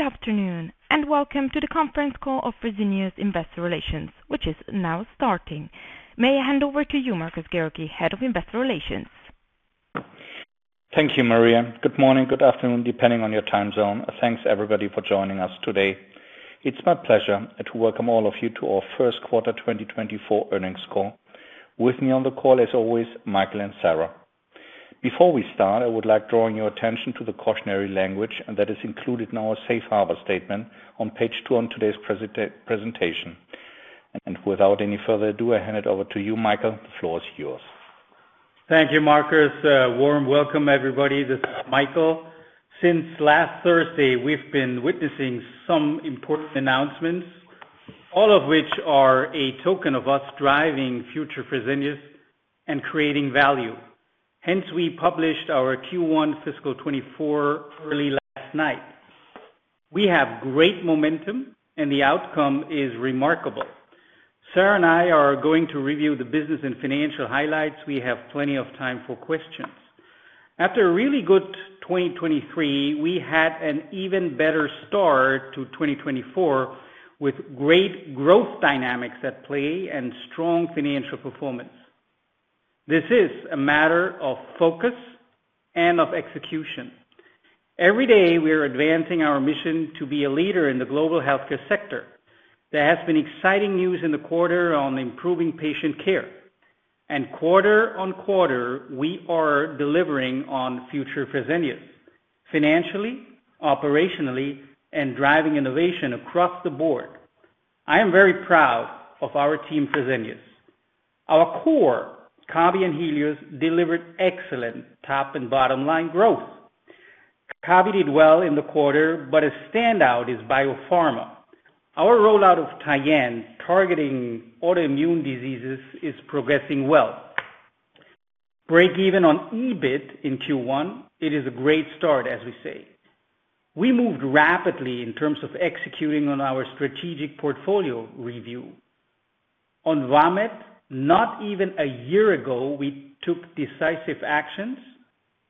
Good afternoon and welcome to the conference call of Fresenius investor relations, which is now starting. May I hand over to you, Markus Georgi, Head of investor relations? Thank you, Maria. Good morning, good afternoon, depending on your time zone. Thanks, everybody, for joining us today. It's my pleasure to welcome all of you to our first quarter 2024 earnings call. With me on the call, as always, Michael and Sara. Before we start, I would like drawing your attention to the cautionary language that is included in our safe harbor statement on page two on today's presentation. Without any further ado, I hand it over to you, Michael. The floor is yours. Thank you, Markus. Warm welcome, everybody. This is Michael. Since last Thursday, we've been witnessing some important announcements, all of which are a token of us driving Future Fresenius and creating value. Hence, we published our Q1 fiscal 2024 early last night. We have great momentum, and the outcome is remarkable. Sara and I are going to review the business and financial highlights. We have plenty of time for questions. After a really good 2023, we had an even better start to 2024 with great growth dynamics at play and strong financial performance. This is a matter of focus and of execution. Every day, we are advancing our mission to be a leader in the global healthcare sector. There has been exciting news in the quarter on improving patient care. Quarter on quarter, we are delivering on Future Fresenius: financially, operationally, and driving innovation across the board. I am very proud of our team Fresenius. Our core Kabi and Helios, delivered excellent top and bottom line growth. Kabi did well in the quarter, but a standout is biopharma. Our rollout of Tyenne targeting autoimmune diseases is progressing well. Break-even on EBIT in Q1, it is a great start, as we say. We moved rapidly in terms of executing on our strategic portfolio review. On Vamed, not even a year ago, we took decisive actions.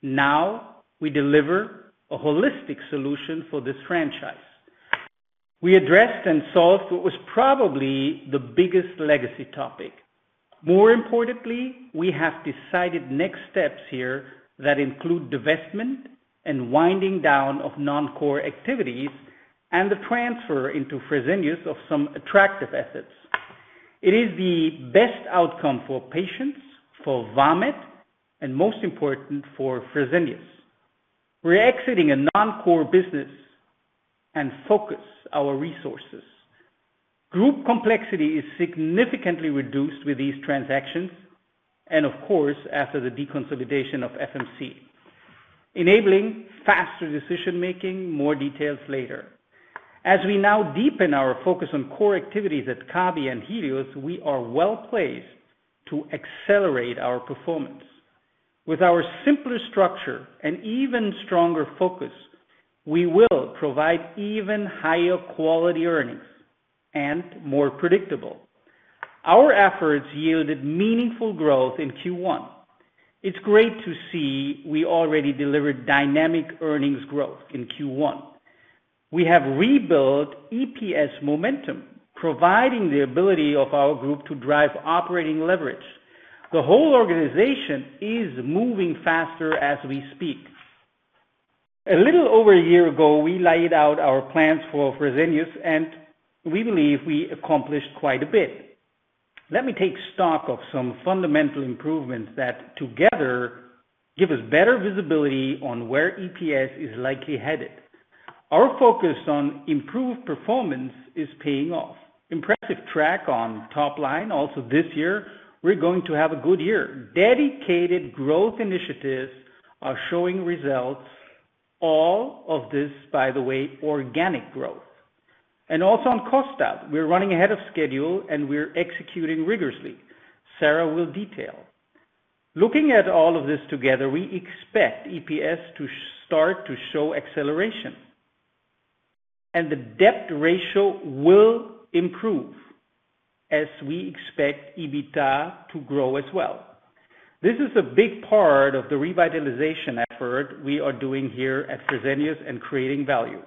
Now, we deliver a holistic solution for this franchise. We addressed and solved what was probably the biggest legacy topic. More importantly, we have decided next steps here that include divestment and winding down of non-core activities and the transfer into Fresenius of some attractive assets. It is the best outcome for patients, for Vamed, and most important, for Fresenius. We're exiting a non-core business and focus our resources. Group complexity is significantly reduced with these transactions and, of course, after the deconsolidation of FMC, enabling faster decision-making. More details later. As we now deepen our focus on core activities at Kabi and Helios, we are well-placed to accelerate our performance. With our simpler structure and even stronger focus, we will provide even higher quality earnings and more predictable. Our efforts yielded meaningful growth in Q1. It's great to see we already delivered dynamic earnings growth in Q1. We have rebuilt EPS momentum, providing the ability of our group to drive operating leverage. The whole organization is moving faster as we speak. A little over a year ago, we laid out our plans for Fresenius, and we believe we accomplished quite a bit. Let me take stock of some fundamental improvements that, together, give us better visibility on where EPS is likely headed. Our focus on improved performance is paying off. Impressive track on top line. Also, this year, we're going to have a good year. Dedicated growth initiatives are showing results. All of this, by the way, organic growth. And also on cost out, we're running ahead of schedule, and we're executing rigorously. Sara will detail. Looking at all of this together, we expect EPS to start to show acceleration. And the debt ratio will improve as we expect EBITDA to grow as well. This is a big part of the revitalization effort we are doing here at Fresenius and creating value.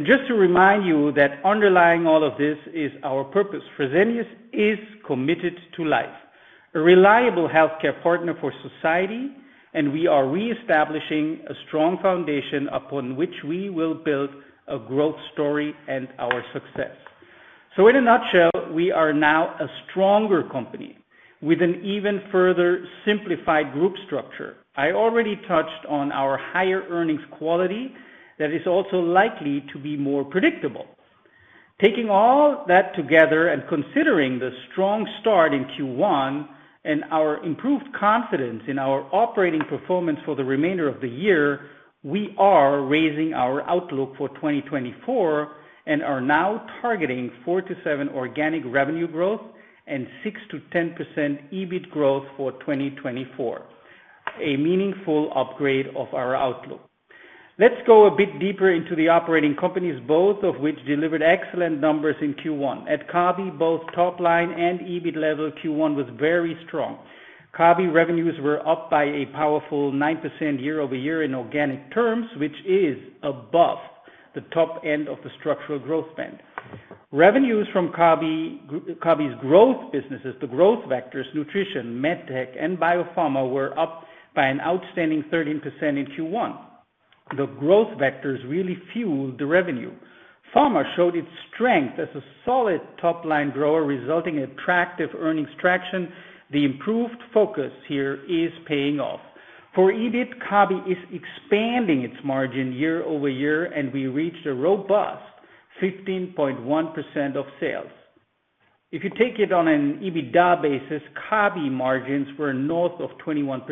Just to remind you that underlying all of this is our purpose. Fresenius is committed to life, a reliable healthcare partner for society, and we are reestablishing a strong foundation upon which we will build a growth story and our success. So in a nutshell, we are now a stronger company with an even further simplified group structure. I already touched on our higher earnings quality that is also likely to be more predictable. Taking all that together and considering the strong start in Q1 and our improved confidence in our operating performance for the remainder of the year, we are raising our outlook for 2024 and are now targeting four-seven organic revenue growth and 6%-10% EBIT growth for 2024, a meaningful upgrade of our outlook. Let's go a bit deeper into the operating companies, both of which delivered excellent numbers in Q1. At Kabi, both top line and EBIT level, Q1 was very strong. Kabi revenues were up by a powerful 9% year-over-year in organic terms, which is above the top end of the structural growth spend. Revenues from Kabi's growth businesses, the growth vectors, nutrition, medtech, and biopharma, were up by an outstanding 13% in Q1. The growth vectors really fueled the revenue. Pharma showed its strength as a solid top line grower, resulting in attractive earnings traction. The improved focus here is paying off. For EBIT, Kabi is expanding its margin year-over-year, and we reached a robust 15.1% of sales. If you take it on an EBITDA basis, Kabi margins were north of 21%.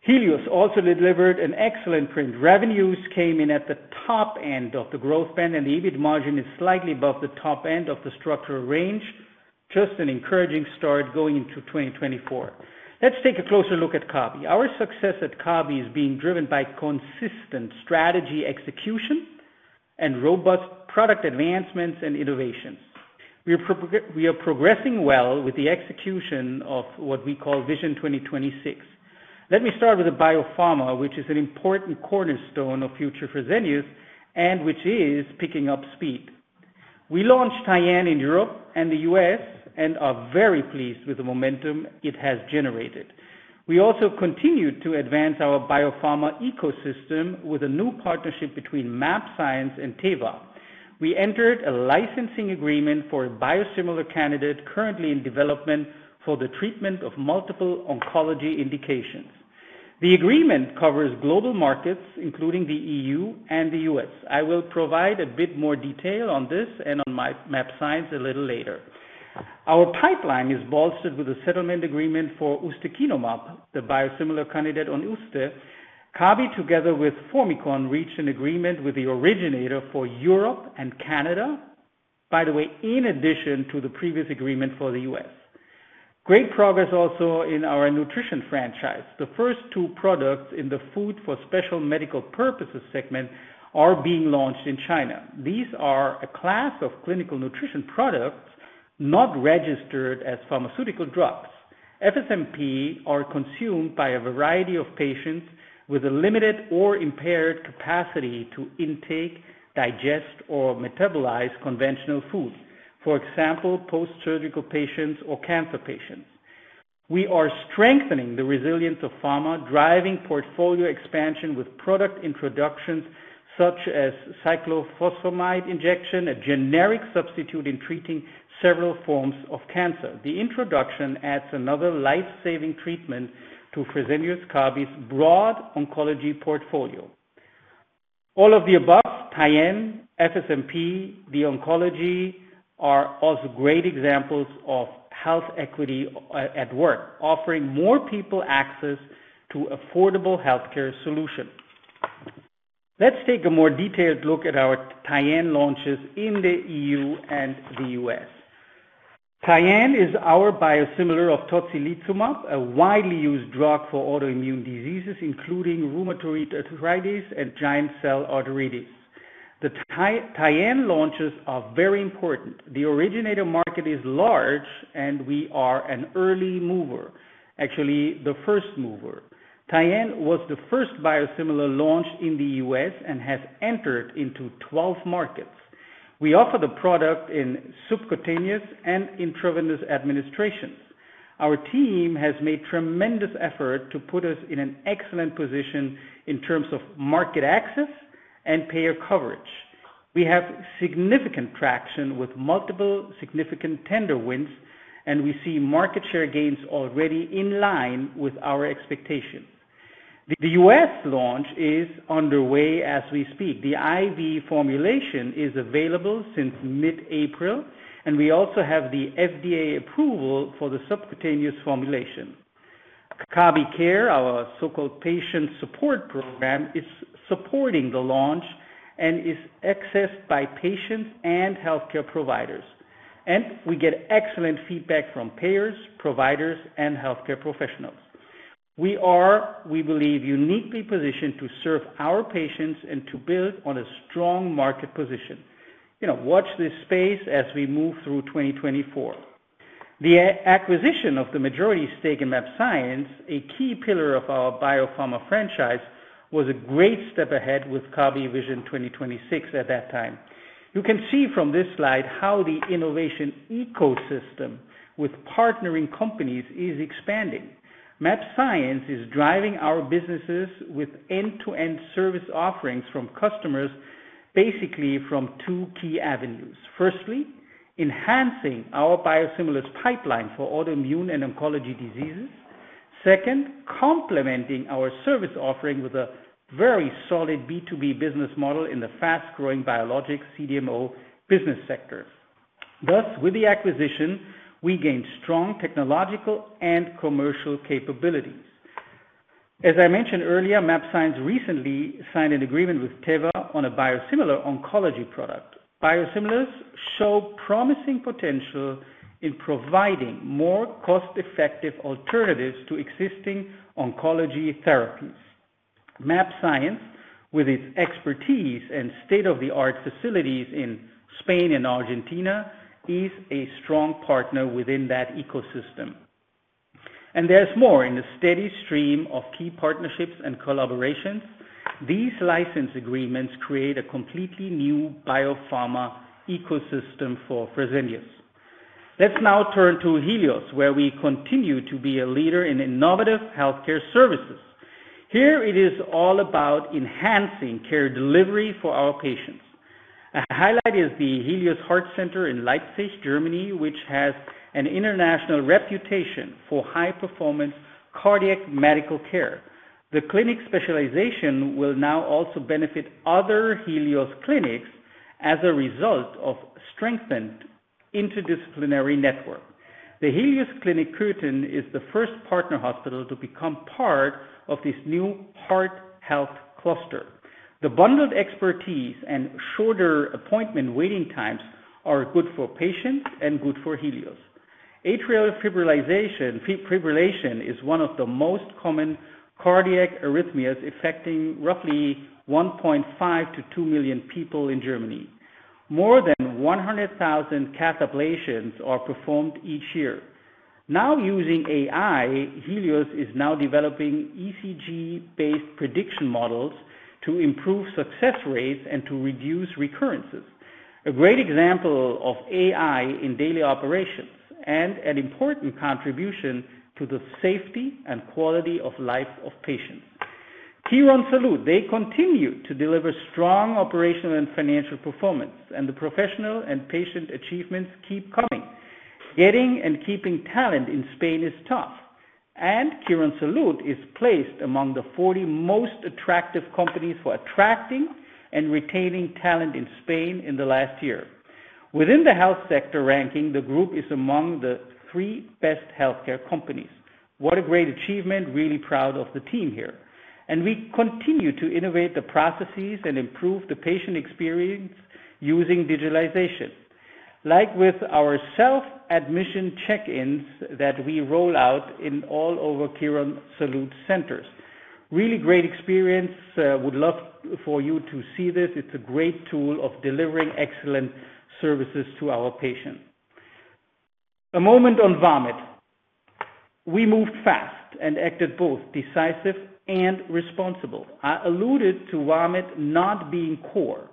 Helios also delivered an excellent print. Revenues came in at the top end of the growth spend, and the EBIT margin is slightly above the top end of the structural range, just an encouraging start going into 2024. Let's take a closer look at Kabi. Our success at Kabi is being driven by consistent strategy execution and robust product advancements and innovations. We are progressing well with the execution of what we call Vision 2026. Let me start with biopharma, which is an important cornerstone of future Fresenius and which is picking up speed. We launched Tyenne in Europe and the U.S. and are very pleased with the momentum it has generated. We also continued to advance our biopharma ecosystem with a new partnership between mAbxience and Teva. We entered a licensing agreement for a biosimilar candidate currently in development for the treatment of multiple oncology indications. The agreement covers global markets, including the EU and the U.S. I will provide a bit more detail on this and on mAbxience a little later. Our pipeline is bolstered with a settlement agreement for ustekinumab, the biosimilar candidate on ustekinumab. Kabi, together with Formycon, reached an agreement with the originator for Europe and Canada, by the way, in addition to the previous agreement for the U.S. Great progress also in our nutrition franchise. The first two products in the food for special medical purposes segment are being launched in China. These are a class of clinical nutrition products not registered as pharmaceutical drugs. FSMP are consumed by a variety of patients with a limited or impaired capacity to intake, digest, or metabolize conventional foods, for example, post-surgical patients or cancer patients. We are strengthening the resilience of pharma, driving portfolio expansion with product introductions such as cyclophosphamide injection, a generic substitute in treating several forms of cancer. The introduction adds another lifesaving treatment to Fresenius Kabi's broad oncology portfolio. All of the above, Tyenne, FSMP, the oncology, are also great examples of health equity at work, offering more people access to affordable healthcare solutions. Let's take a more detailed look at our Tyenne launches in the EU and the U.S. Tyenne is our biosimilar of tocilizumab, a widely used drug for autoimmune diseases, including rheumatoid arthritis and giant cell arteritis. The Tyenne launches are very important. The originator market is large, and we are an early mover, actually the first mover. Tyenne was the first biosimilar launched in the U.S. and has entered into 12 markets. We offer the product in subcutaneous and intravenous administrations. Our team has made tremendous effort to put us in an excellent position in terms of market access and payer coverage. We have significant traction with multiple significant tender wins, and we see market share gains already in line with our expectations. The U.S. launch is underway as we speak. The IV formulation is available since mid-April, and we also have the FDA approval for the subcutaneous formulation. Kabi Care, our so-called patient support program, is supporting the launch and is accessed by patients and healthcare providers. We get excellent feedback from payers, providers, and healthcare professionals. We are, we believe, uniquely positioned to serve our patients and to build on a strong market position. You know, watch this space as we move through 2024. The acquisition of the majority stake in mAbxience, a key pillar of our biopharma franchise, was a great step ahead with Kabi Vision 2026 at that time. You can see from this slide how the innovation ecosystem with partnering companies is expanding. mAbxience is driving our businesses with end-to-end service offerings from customers, basically from two key avenues. Firstly, enhancing our biosimilar pipeline for autoimmune and oncology diseases. Second, complementing our service offering with a very solid B2B business model in the fast-growing biologics, CDMO, business sectors. Thus, with the acquisition, we gained strong technological and commercial capabilities. As I mentioned earlier, mAbxience recently signed an agreement with Teva on a biosimilar oncology product. Biosimilars show promising potential in providing more cost-effective alternatives to existing oncology therapies. mAbxience, with its expertise and state-of-the-art facilities in Spain and Argentina, is a strong partner within that ecosystem. And there's more. In the steady stream of key partnerships and collaborations, these license agreements create a completely new biopharma ecosystem for Fresenius. Let's now turn to Helios, where we continue to be a leader in innovative healthcare services. Here, it is all about enhancing care delivery for our patients. A highlight is the Helios Heart Center in Leipzig, Germany, which has an international reputation for high-performance cardiac medical care. The clinic specialization will now also benefit other Helios clinics as a result of a strengthened interdisciplinary network. The Helios Clinic Köthen is the first partner hospital to become part of this new heart health cluster. The bundled expertise and shorter appointment waiting times are good for patients and good for Helios. Atrial fibrillation is one of the most common cardiac arrhythmias affecting roughly 1.5-2 million people in Germany. More than 100,000 cath ablations are performed each year. Now using AI, Helios is now developing ECG-based prediction models to improve success rates and to reduce recurrences, a great example of AI in daily operations and an important contribution to the safety and quality of life of patients. Quirónsalud, they continue to deliver strong operational and financial performance, and the professional and patient achievements keep coming. Getting and keeping talent in Spain is tough. Quirónsalud is placed among the 40 most attractive companies for attracting and retaining talent in Spain in the last year. Within the health sector ranking, the group is among the three best healthcare companies. What a great achievement. Really proud of the team here. We continue to innovate the processes and improve the patient experience using digitalization, like with our self-admission check-ins that we roll out all over Quirónsalud centers. Really great experience. Would love for you to see this. It's a great tool of delivering excellent services to our patients. A moment on Vamed. We moved fast and acted both decisive and responsible. I alluded to Vamed not being core.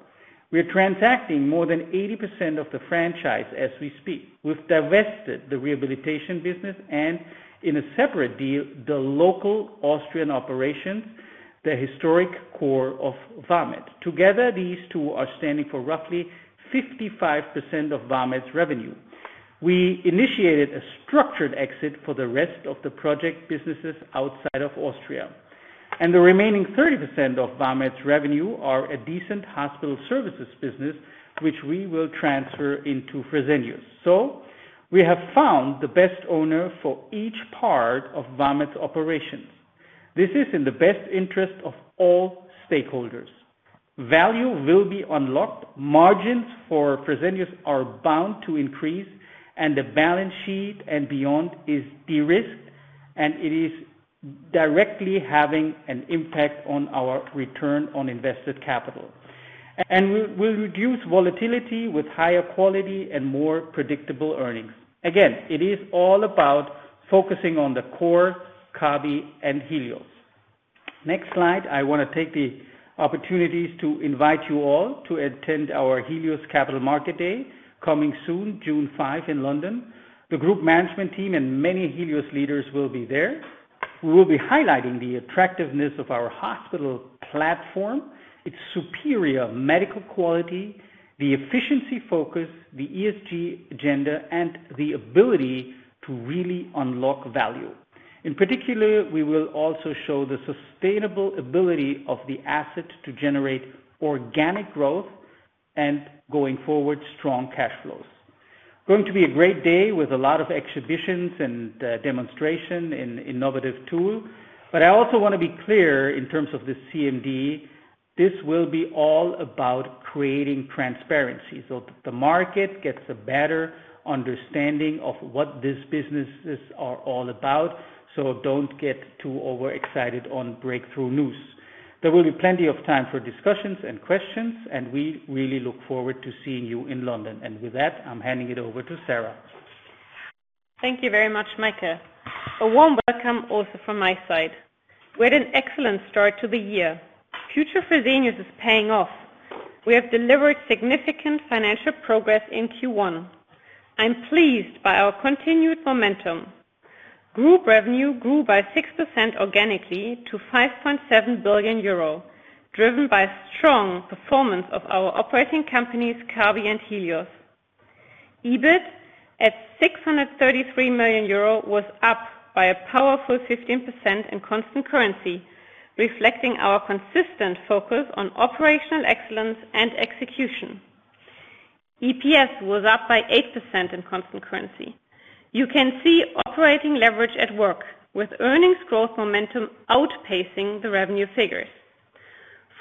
We are transacting more than 80% of the franchise as we speak. We've divested the rehabilitation business and, in a separate deal, the local Austrian operations, the historic core of Vamed. Together, these two are standing for roughly 55% of Vamed's revenue. We initiated a structured exit for the rest of the project businesses outside of Austria. And the remaining 30% of Vamed's revenue are a decent hospital services business, which we will transfer into Fresenius. So we have found the best owner for each part of Vamed's operations. This is in the best interest of all stakeholders. Value will be unlocked. Margins for Fresenius are bound to increase, and the balance sheet and beyond is de-risked, and it is directly having an impact on our return on invested capital. And we'll reduce volatility with higher quality and more predictable earnings. Again, it is all about focusing on the core, Kabi, and Helios. Next slide, I want to take the opportunities to invite you all to attend our Helios Capital Market Day coming soon, June 5, in London. The group management team and many Helios leaders will be there. We will be highlighting the attractiveness of our hospital platform, its superior medical quality, the efficiency focus, the ESG agenda, and the ability to really unlock value. In particular, we will also show the sustainable ability of the asset to generate organic growth and, going forward, strong cash flows. Going to be a great day with a lot of exhibitions and demonstration, an innovative tool. But I also want to be clear in terms of the CMD. This will be all about creating transparency. So the market gets a better understanding of what these businesses are all about. So don't get too overexcited on breakthrough news. There will be plenty of time for discussions and questions, and we really look forward to seeing you in London. And with that, I'm handing it over to Sara. Thank you very much, Michael. A warm welcome also from my side. We had an excellent start to the year. Future Fresenius is paying off. We have delivered significant financial progress in Q1. I'm pleased by our continued momentum. Group revenue grew by 6% organically to 5.7 billion euro, driven by strong performance of our operating companies, Kabi and Helios. EBIT at 633 million euro was up by a powerful 15% in constant currency, reflecting our consistent focus on operational excellence and execution. EPS was up by 8% in constant currency. You can see operating leverage at work, with earnings growth momentum outpacing the revenue figures.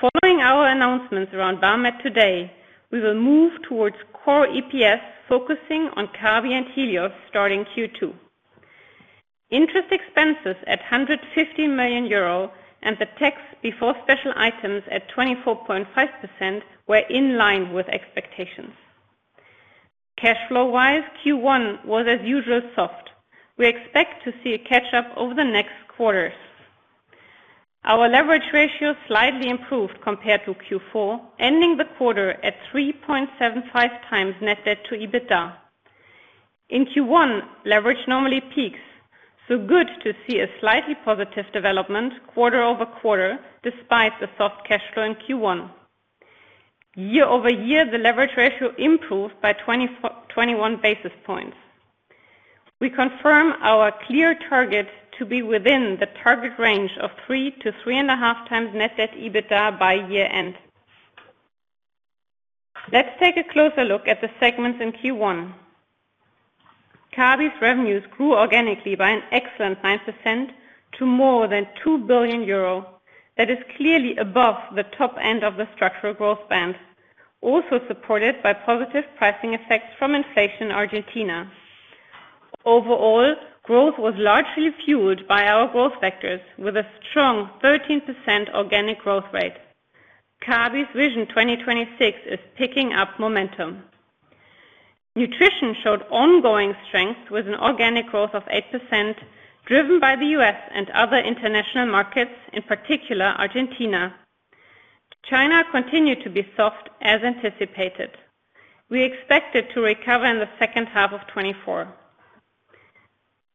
Following our announcements around Vamed today, we will move towards core EPS focusing on Kabi and Helios starting Q2. Interest expenses at 150 million euro and the tax before special items at 24.5% were in line with expectations. Cash flow-wise, Q1 was, as usual, soft. We expect to see a catch-up over the next quarters. Our leverage ratio slightly improved compared to Q4, ending the quarter at 3.75x net debt to EBITDA. In Q1, leverage normally peaks. So good to see a slightly positive development quarter-over-quarter, despite the soft cash flow in Q1. Year-over-year, the leverage ratio improved by 21 basis points. We confirm our clear target to be within the target range of 3-3.5xnet debt to EBITDA by year-end. Let's take a closer look at the segments in Q1. Kabi's revenues grew organically by an excellent 9% to more than 2 billion euro. That is clearly above the top end of the structural growth band, also supported by positive pricing effects from inflation in Argentina. Overall, growth was largely fueled by our growth vectors, with a strong 13% organic growth rate. Kabi's Vision 2026 is picking up momentum. Nutrition showed ongoing strength with an organic growth of 8%, driven by the U.S. and other international markets, in particular Argentina. China continued to be soft, as anticipated. We expect it to recover in the second half of 2024.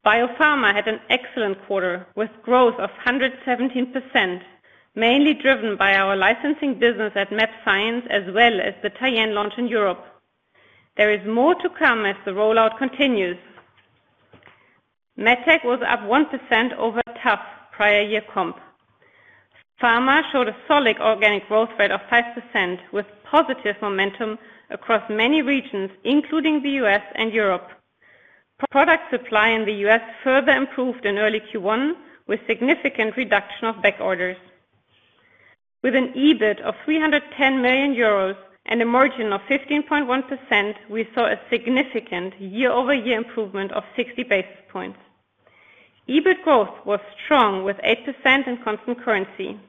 Biopharma had an excellent quarter, with growth of 117%, mainly driven by our licensing business at mAbxience as well as the Tyenne launch in Europe. There is more to come as the rollout continues. MedTech was up 1% over tough prior-year comp. Pharma showed a solid organic growth rate of 5%, with positive momentum across many regions, including the U.S. and Europe. Product supply in the U.S. further improved in early Q1, with significant reduction of backorders. With an EBIT of 310 million euros and a margin of 15.1%, we saw a significant year-over-year improvement of 60 basis points. EBIT growth was strong, with 8% in constant currency.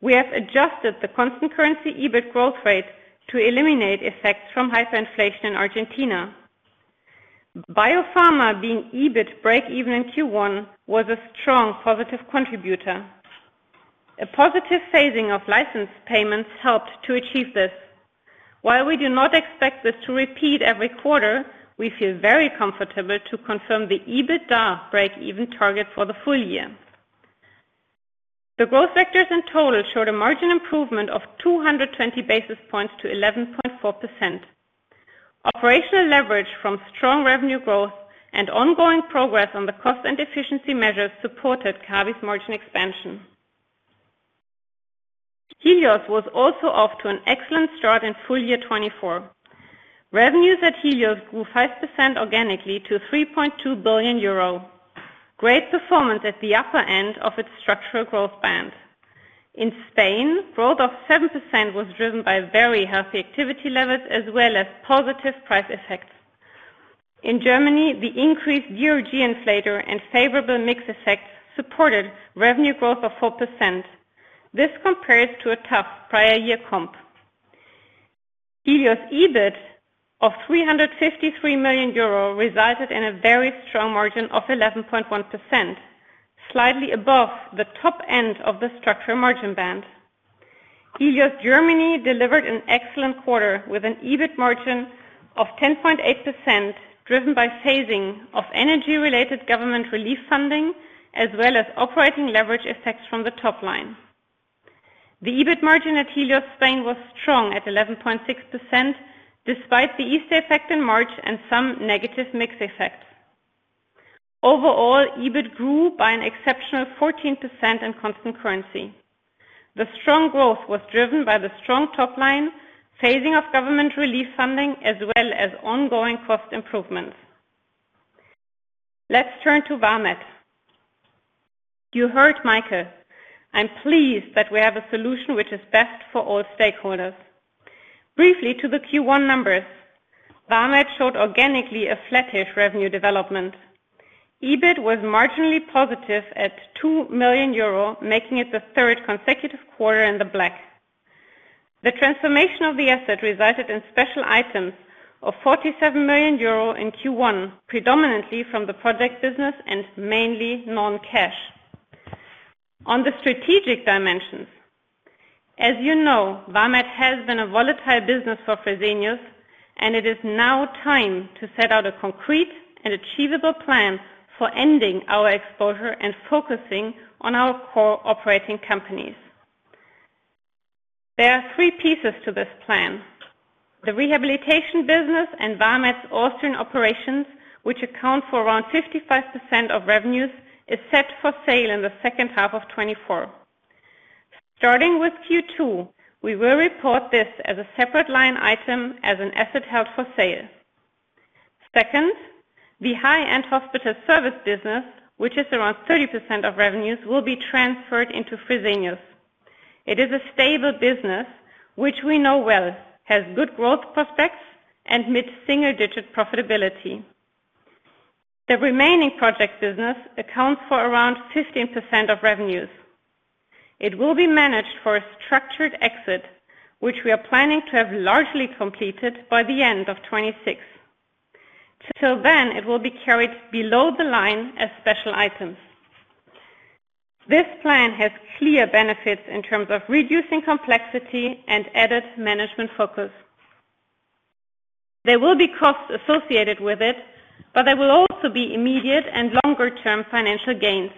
We have adjusted the constant currency EBIT growth rate to eliminate effects from hyperinflation in Argentina. Biopharma being EBIT break-even in Q1 was a strong positive contributor. A positive phasing of license payments helped to achieve this. While we do not expect this to repeat every quarter, we feel very comfortable to confirm the EBITDA break-even target for the full year. The growth vectors in total showed a margin improvement of 220 basis points to 11.4%. Operational leverage from strong revenue growth and ongoing progress on the cost and efficiency measures supported Kabi's margin expansion. Helios was also off to an excellent start in full year 2024. Revenues at Helios grew 5% organically to 3.2 billion euro. Great performance at the upper end of its structural growth band. In Spain, growth of 7% was driven by very healthy activity levels as well as positive price effects. In Germany, the increased DRG inflator and favorable mix effects supported revenue growth of 4%. This compares to a tough prior-year comp. Helios' EBIT of 353 million euro resulted in a very strong margin of 11.1%, slightly above the top end of the structural margin band. Helios Germany delivered an excellent quarter with an EBIT margin of 10.8%, driven by phasing of energy-related government relief funding as well as operating leverage effects from the top line. The EBIT margin at Helios Spain was strong at 11.6%, despite the Easter effect in March and some negative mix effects. Overall, EBIT grew by an exceptional 14% in constant currency. The strong growth was driven by the strong top line, phasing of government relief funding as well as ongoing cost improvements. Let's turn to Vamed. You heard, Michael. I'm pleased that we have a solution which is best for all stakeholders. Briefly, to the Q1 numbers, Vamed showed organically a flattish revenue development. EBIT was marginally positive at 2 million euro, making it the third consecutive quarter in the black. The transformation of the asset resulted in special items of 47 million euro in Q1, predominantly from the project business and mainly non-cash. On the strategic dimensions, as you know, Vamed has been a volatile business for Fresenius, and it is now time to set out a concrete and achievable plan for ending our exposure and focusing on our core operating companies. There are three pieces to this plan. The rehabilitation business and Vamed's Austrian operations, which account for around 55% of revenues, is set for sale in the second half of 2024. Starting with Q2, we will report this as a separate line item as an asset held for sale. Second, the high-end hospital service business, which is around 30% of revenues, will be transferred into Fresenius. It is a stable business, which we know well, has good growth prospects and mid-single-digit profitability. The remaining project business accounts for around 15% of revenues. It will be managed for a structured exit, which we are planning to have largely completed by the end of 2026. Till then, it will be carried below the line as special items. This plan has clear benefits in terms of reducing complexity and added management focus. There will be costs associated with it, but there will also be immediate and longer-term financial gains.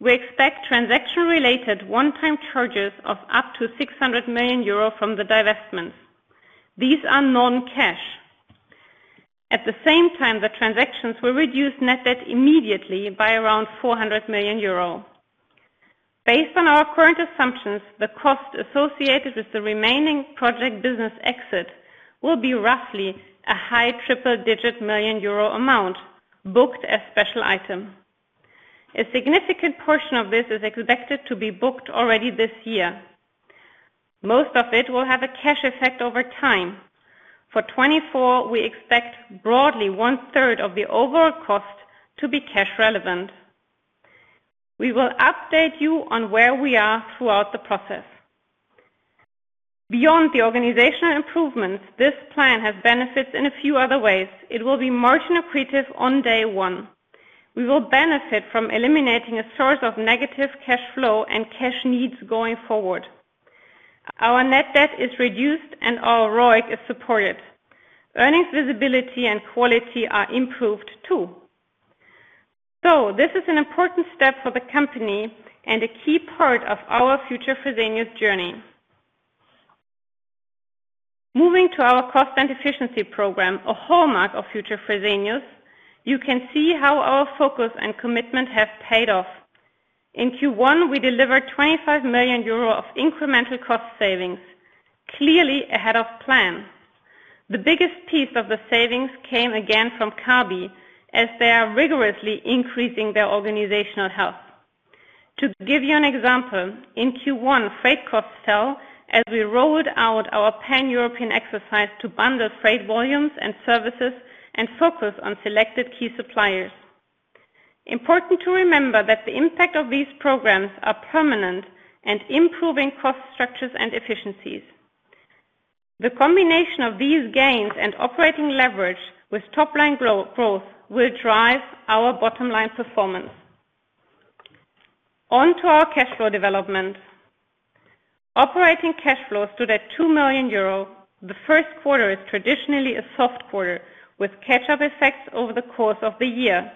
We expect transaction-related one-time charges of up to 600 million euro from the divestments. These are non-cash. At the same time, the transactions will reduce net debt immediately by around 400 million euro. Based on our current assumptions, the cost associated with the remaining project business exit will be roughly a high triple-digit million EUR amount booked as special item. A significant portion of this is expected to be booked already this year. Most of it will have a cash effect over time. For 2024, we expect broadly one-third of the overall cost to be cash relevant. We will update you on where we are throughout the process. Beyond the organizational improvements, this plan has benefits in a few other ways. It will be margin accretive on day one. We will benefit from eliminating a source of negative cash flow and cash needs going forward. Our net debt is reduced, and our ROIC is supported. Earnings visibility and quality are improved too. So this is an important step for the company and a key part of our future Fresenius journey. Moving to our cost and efficiency program, a hallmark of future Fresenius, you can see how our focus and commitment have paid off. In Q1, we delivered 25 million euro of incremental cost savings, clearly ahead of plan. The biggest piece of the savings came again from Kabi, as they are rigorously increasing their organizational health. To give you an example, in Q1, freight costs fell as we rolled out our pan-European exercise to bundle freight volumes and services and focus on selected key suppliers. Important to remember that the impact of these programs are permanent and improving cost structures and efficiencies. The combination of these gains and operating leverage with top-line growth will drive our bottom-line performance. Onto our cash flow development. Operating cash flows stood at 2 million euro. The first quarter is traditionally a soft quarter, with catch-up effects over the course of the year.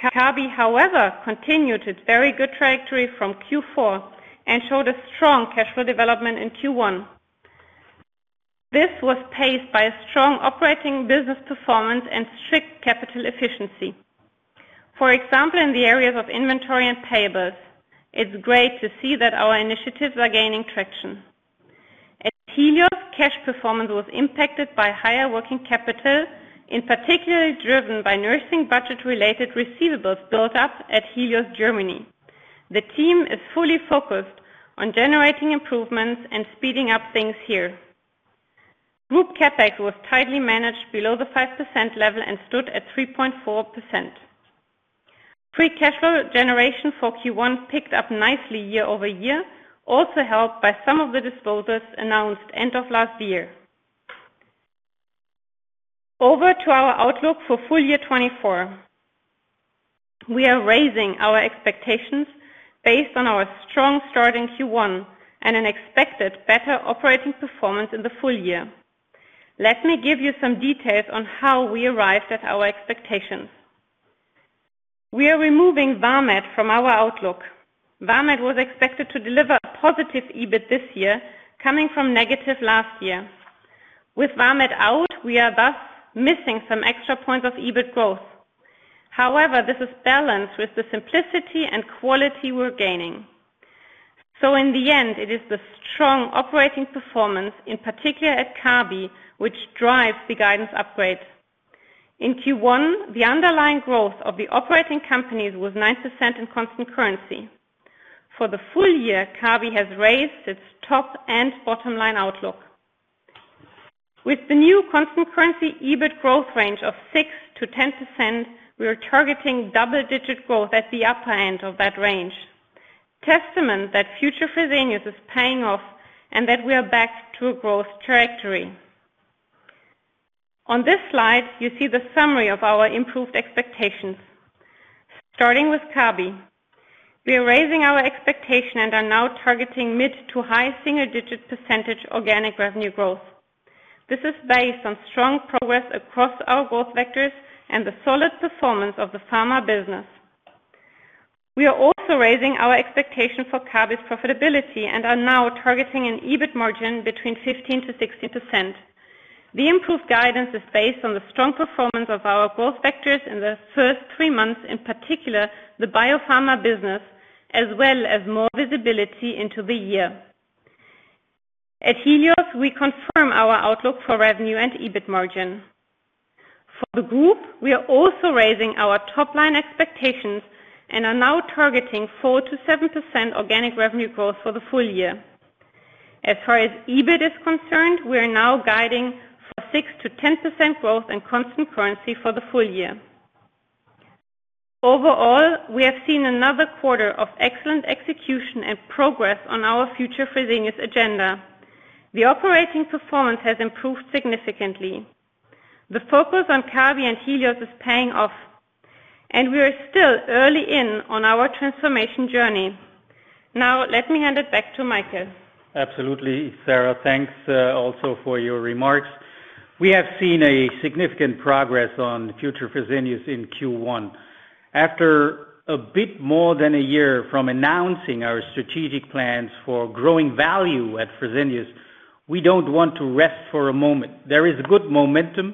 Kabi, however, continued its very good trajectory from Q4 and showed a strong cash flow development in Q1. This was paced by a strong operating business performance and strict capital efficiency. For example, in the areas of inventory and payables, it's great to see that our initiatives are gaining traction. At Helios, cash performance was impacted by higher working capital, in particular driven by nursing budget-related receivables built up at Helios Germany. The team is fully focused on generating improvements and speeding up things here. Group CapEx was tightly managed below the 5% level and stood at 3.4%. Free cash flow generation for Q1 picked up nicely year-over-year, also helped by some of the disposals announced end of last year. Over to our outlook for full year 2024. We are raising our expectations based on our strong start in Q1 and an expected better operating performance in the full year. Let me give you some details on how we arrived at our expectations. We are removing Vamed from our outlook. Vamed was expected to deliver a positive EBIT this year, coming from negative last year. With Vamed out, we are thus missing some extra points of EBIT growth. However, this is balanced with the simplicity and quality we're gaining. So in the end, it is the strong operating performance, in particular at Kabi, which drives the guidance upgrade. In Q1, the underlying growth of the operating companies was 9% in constant currency. For the full year, Kabi has raised its top and bottom-line outlook. With the new constant currency EBIT growth range of 6%-10%, we are targeting double-digit growth at the upper end of that range, testament that future Fresenius is paying off and that we are back to a growth trajectory. On this slide, you see the summary of our improved expectations. Starting with Kabi, we are raising our expectation and are now targeting mid- to high single-digit % organic revenue growth. This is based on strong progress across our growth vectors and the solid performance of the pharma business. We are also raising our expectation for Kabi's profitability and are now targeting an EBIT margin between 15%-16%. The improved guidance is based on the strong performance of our growth vectors in the first three months, in particular the biopharma business, as well as more visibility into the year. At Helios, we confirm our outlook for revenue and EBIT margin. For the group, we are also raising our top-line expectations and are now targeting 4%-7% organic revenue growth for the full year. As far as EBIT is concerned, we are now guiding for 6%-10% growth in constant currency for the full year. Overall, we have seen another quarter of excellent execution and progress on our future Fresenius agenda. The operating performance has improved significantly. The focus on Kabi and Helios is paying off, and we are still early in on our transformation journey. Now, let me hand it back to Michael. Absolutely, Sara. Thanks also for your remarks. We have seen a significant progress on future Fresenius in Q1. After a bit more than a year from announcing our strategic plans for growing value at Fresenius, we don't want to rest for a moment. There is good momentum,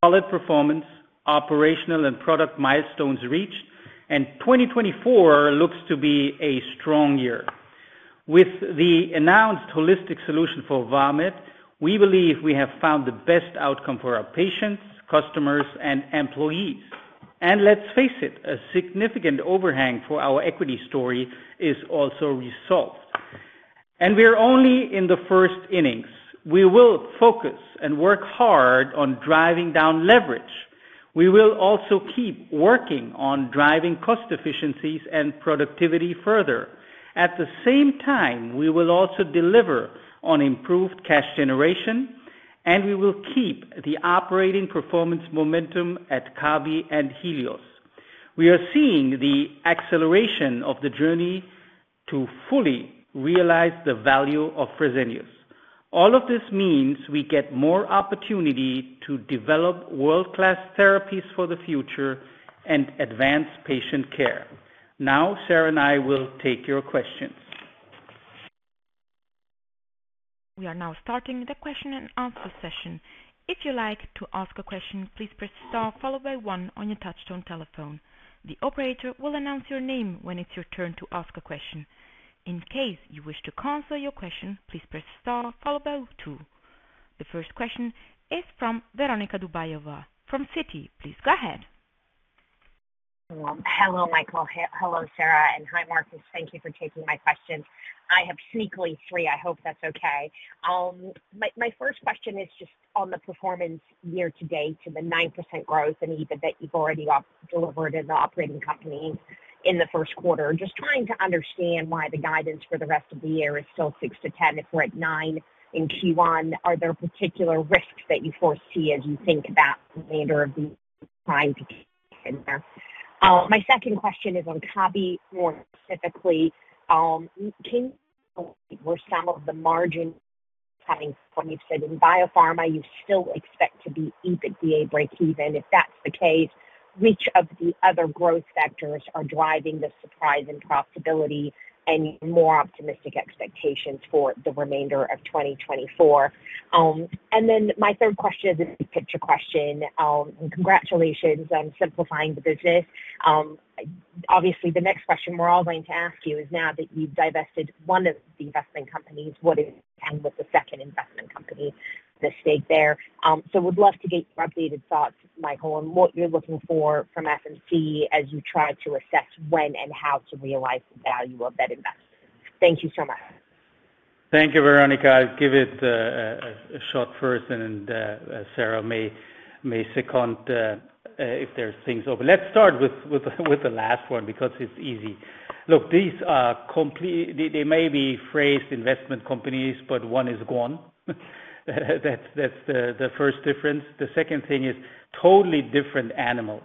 solid performance, operational and product milestones reached, and 2024 looks to be a strong year. With the announced holistic solution for Vamed, we believe we have found the best outcome for our patients, customers, and employees. Let's face it, a significant overhang for our equity story is also resolved. We are only in the first innings. We will focus and work hard on driving down leverage. We will also keep working on driving cost efficiencies and productivity further. At the same time, we will also deliver on improved cash generation, and we will keep the operating performance momentum at Kabi and Helios. We are seeing the acceleration of the journey to fully realize the value of Fresenius. All of this means we get more opportunity to develop world-class therapies for the future and advance patient care. Now, Sarah and I will take your questions. We are now starting the question-and-answer session. If you'd like to ask a question, please press star followed by one on your touch-tone telephone. The operator will announce your name when it's your turn to ask a question. In case you wish to cancel your question, please press star followed by two. The first question is from Veronika Dubajova from Citi. Please go ahead. Hello, Michael. Hello, Sara. And hi, Markus. Thank you for taking my questions. I have sneakily three. I hope that's okay. My first question is just on the performance year-to-date to the 9% growth and EBIT that you've already delivered in the operating companies in the first quarter. Just trying to understand why the guidance for the rest of the year is still 6%-10%. If we're at 9% in Q1, are there particular risks that you foresee as you think about the remainder of the year trying to get in there? My second question is on Kabi more specifically. Can you tell me where some of the margin coming from? You've said in biopharma, you still expect to be EBITDA break-even. If that's the case, which of the other growth factors are driving the surprise in profitability and your more optimistic expectations for the remainder of 2024? And then my third question is a big picture question. Congratulations on simplifying the business. Obviously, the next question we're all going to ask you is now that you've divested one of the investment companies, what is the plan with the second investment company? The stake there. So would love to get your updated thoughts, Michael, on what you're looking for from FMC as you try to assess when and how to realize the value of that investment. Thank you so much. Thank you, Veronika. I'll give it a shot first, and Sara may second if there's things open. Let's start with the last one because it's easy. Look, these are completely they may be phrased investment companies, but one is gone. That's the first difference. The second thing is totally different animals.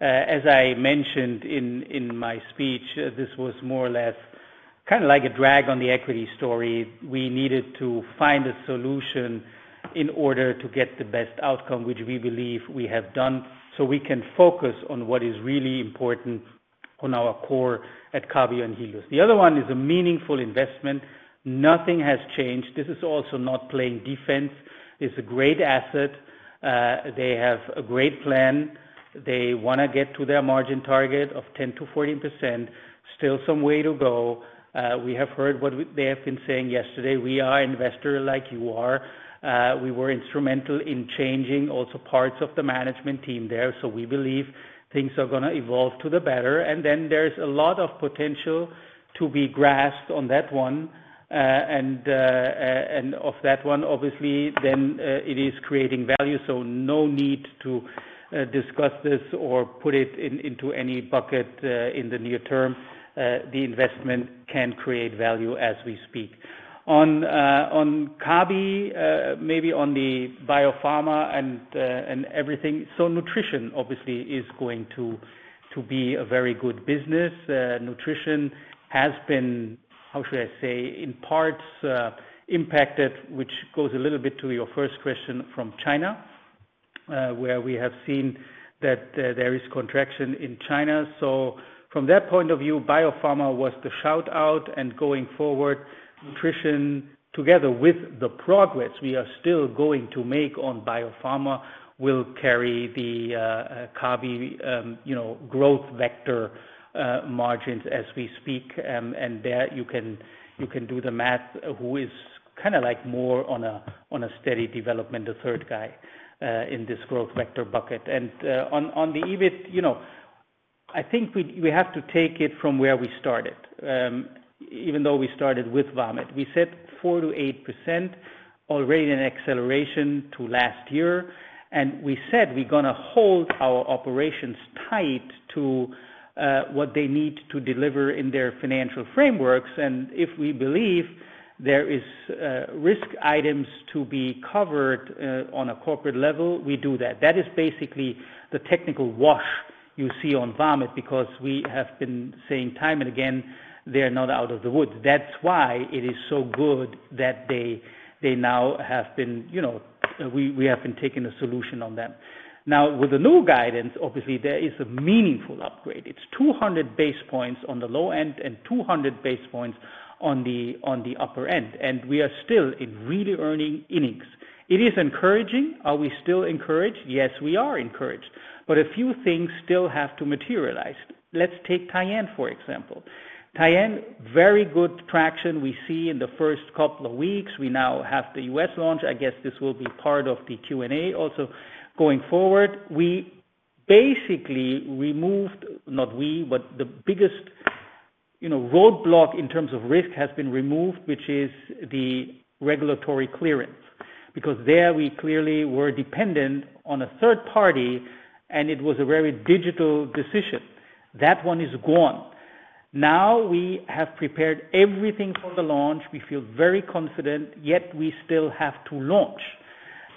As I mentioned in my speech, this was more or less kind of like a drag on the equity story. We needed to find a solution in order to get the best outcome, which we believe we have done, so we can focus on what is really important on our core at Kabi and Helios. The other one is a meaningful investment. Nothing has changed. This is also not playing defense. It's a great asset. They have a great plan. They want to get to their margin target of 10%-14%. Still some way to go. We have heard what they have been saying yesterday. We are investors like you are. We were instrumental in changing also parts of the management team there. So we believe things are going to evolve to the better. And then there's a lot of potential to be grasped on that one. And of that one, obviously, then it is creating value. So no need to discuss this or put it into any bucket in the near term. The investment can create value as we speak. On Kabi, maybe on the biopharma and everything, so nutrition, obviously, is going to be a very good business. Nutrition has been, how should I say, in parts impacted, which goes a little bit to your first question, from China, where we have seen that there is contraction in China. So from that point of view, biopharma was the shout-out. And going forward, nutrition, together with the progress we are still going to make on biopharma, will carry the Kabi growth vector margins as we speak. And there, you can do the math. Who is kind of like more on a steady development, the third guy in this growth vector bucket? And on the EBIT, I think we have to take it from where we started, even though we started with Vamed. We said 4%-8%, already an acceleration to last year. And we said we're going to hold our operations tight to what they need to deliver in their financial frameworks. And if we believe there are risk items to be covered on a corporate level, we do that. That is basically the technical wash you see on Vamed because we have been saying time and again, they're not out of the woods. That's why it is so good that they now have been we have been taking a solution on them. Now, with the new guidance, obviously, there is a meaningful upgrade. It's 200 basis points on the low end and 200 basis points on the upper end. We are still in really early innings. It is encouraging. Are we still encouraged? Yes, we are encouraged. But a few things still have to materialize. Let's take Tyenne, for example. Tyenne, very good traction we see in the first couple of weeks. We now have the U.S. launch. I guess this will be part of the Q&A also going forward. We basically removed not we, but the biggest roadblock in terms of risk has been removed, which is the regulatory clearance because there, we clearly were dependent on a third party, and it was a very critical decision. That one is gone. Now, we have prepared everything for the launch. We feel very confident. Yet, we still have to launch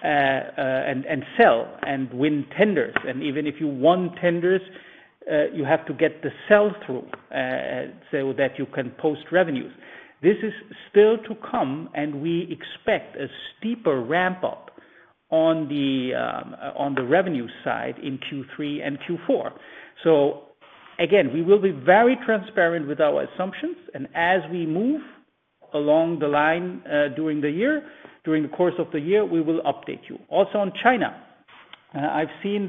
and sell and win tenders. Even if you won tenders, you have to get the sell through so that you can post revenues. This is still to come, and we expect a steeper ramp-up on the revenue side in Q3 and Q4. Again, we will be very transparent with our assumptions. And as we move along the line during the year, during the course of the year, we will update you. Also on China, I've said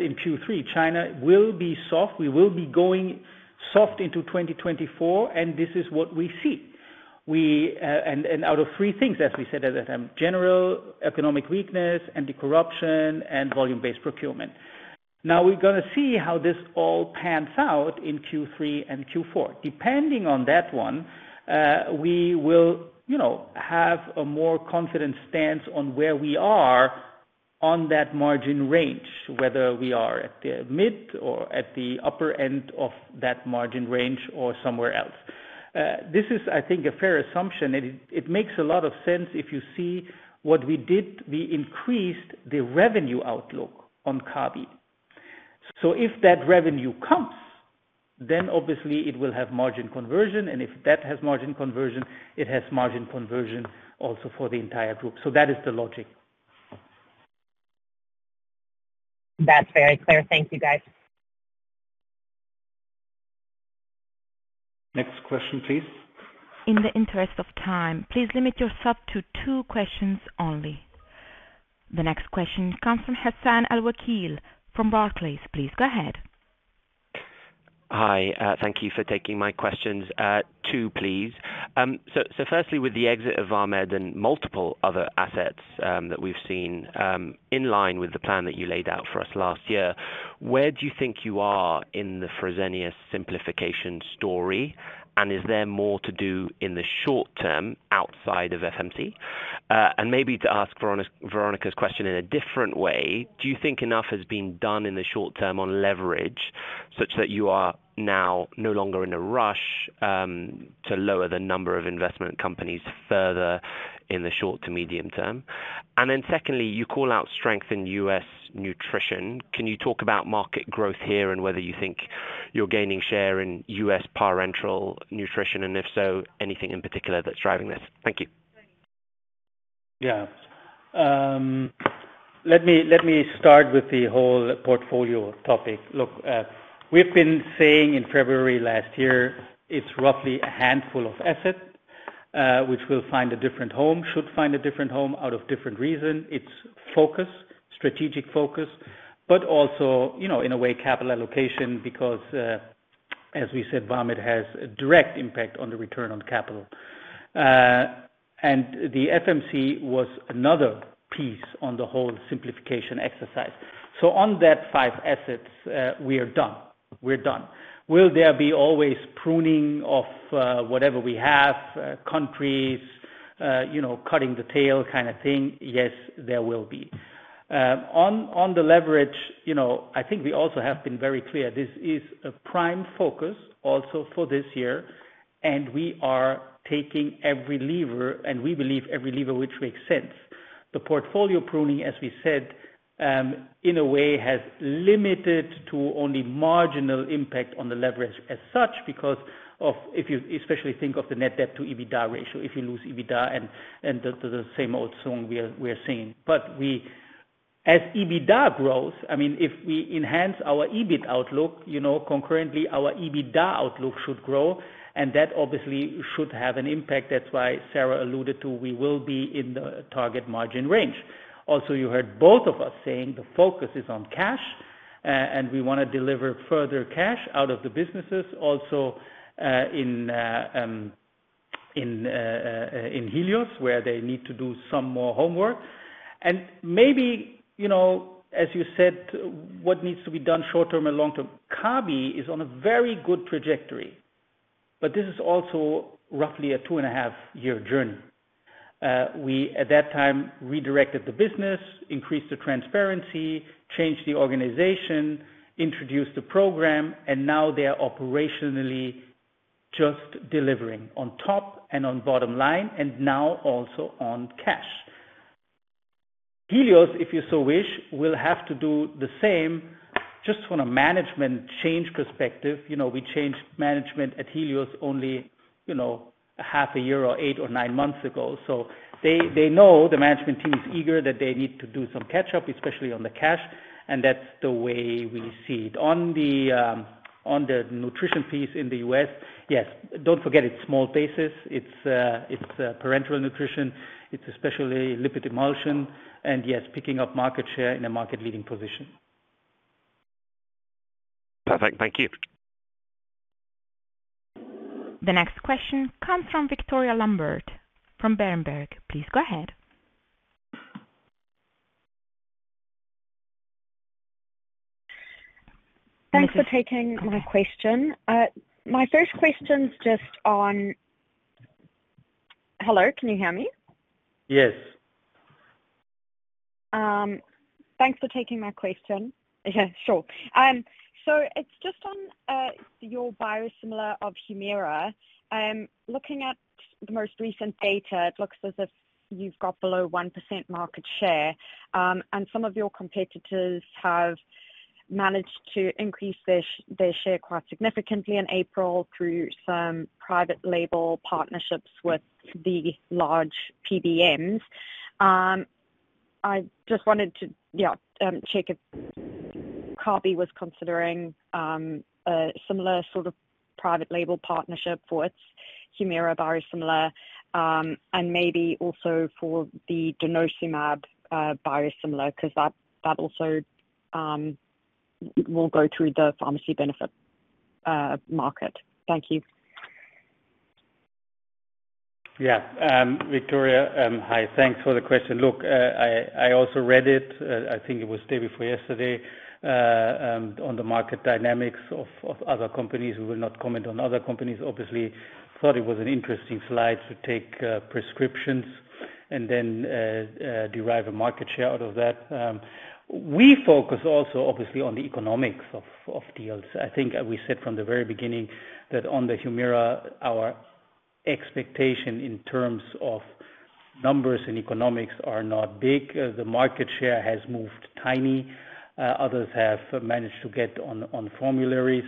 in Q3, China will be soft. We will be going soft into 2024, and this is what we see. And out of three things, as we said at that time, general economic weakness, anti-corruption, and Volume-Based Procurement. Now, we're going to see how this all pans out in Q3 and Q4. Depending on that one, we will have a more confident stance on where we are on that margin range, whether we are at the mid or at the upper end of that margin range or somewhere else. This is, I think, a fair assumption. It makes a lot of sense if you see what we did. We increased the revenue outlook on Kabi. So if that revenue comes, then obviously, it will have margin conversion. And if that has margin conversion, it has margin conversion also for the entire group. So that is the logic. That's very clear. Thank you, guys. Next question, please. In the interest of time, please limit yourself to two questions only. The next question comes from Hassan Al-Wakil from Barclays. Please go ahead. Hi. Thank you for taking my questions. Two, please. So firstly, with the exit of Vamed and multiple other assets that we've seen in line with the plan that you laid out for us last year, where do you think you are in the Fresenius simplification story? And is there more to do in the short term outside of FMC? And maybe to ask Veronika's question in a different way, do you think enough has been done in the short term on leverage such that you are now no longer in a rush to lower the number of investment companies further in the short to medium term? And then secondly, you call out strength in U.S. nutrition. Can you talk about market growth here and whether you think you're gaining share in U.S. parenteral nutrition? And if so, anything in particular that's driving this? Thank you. Yeah. Let me start with the whole portfolio topic. Look, we've been saying in February last year, it's roughly a handful of assets which will find a different home, should find a different home out of different reasons. It's focus, strategic focus, but also in a way, capital allocation because, as we said, Vamed has a direct impact on the return on capital. And the FMC was another piece on the whole simplification exercise. So on that five assets, we are done. We're done. Will there be always pruning of whatever we have, countries, cutting the tail kind of thing? Yes, there will be. On the leverage, I think we also have been very clear. This is a prime focus also for this year. And we are taking every lever, and we believe every lever which makes sense. The portfolio pruning, as we said, in a way, has limited to only marginal impact on the leverage as such because of if you especially think of the net debt to EBITDA ratio. If you lose EBITDA and the same old song we are singing. But as EBITDA grows, I mean, if we enhance our EBIT outlook, concurrently, our EBITDA outlook should grow. And that obviously should have an impact. That's why Sarah alluded to we will be in the target margin range. Also, you heard both of us saying the focus is on cash, and we want to deliver further cash out of the businesses, also in Helios, where they need to do some more homework. And maybe, as you said, what needs to be done short term and long term, Kabi is on a very good trajectory. But this is also roughly a two-point-five-year journey. We, at that time, redirected the business, increased the transparency, changed the organization, introduced the program. And now, they are operationally just delivering on top and on bottom line and now also on cash. Helios, if you so wish, will have to do the same just from a management change perspective. We changed management at Helios only a half a year or eight or nine months ago. So they know the management team is eager, that they need to do some catch-up, especially on the cash. And that's the way we see it. On the nutrition piece in the U.S., yes, don't forget it's small basis. It's parenteral nutrition. It's especially lipid emulsion. And yes, picking up market share in a market-leading position. Perfect. Thank you. The next question comes from Victoria Lambert from Berenberg. Please go ahead. Thanks for taking my question. My first question's just on Helios. Can you hear me? Yes. Thanks for taking my question. Yeah, sure. So it's just on your biosimilar of Humira. Looking at the most recent data, it looks as if you've got below 1% market share. And some of your competitors have managed to increase their share quite significantly in April through some private-label partnerships with the large PBMs. I just wanted to, yeah, check if Kabi was considering a similar sort of private-label partnership for its Humira biosimilar and maybe also for the denosumab biosimilar because that also will go through the pharmacy benefit market. Thank you. Yeah. Victoria, hi. Thanks for the question. Look, I also read it. I think it was the day before yesterday on the market dynamics of other companies. We will not comment on other companies, obviously. thought it was an interesting slide to take prescriptions and then derive a market share out of that. We focus also, obviously, on the economics of deals. I think we said from the very beginning that on the Humira, our expectation in terms of numbers and economics are not big. The market share has moved tiny. Others have managed to get on formularies.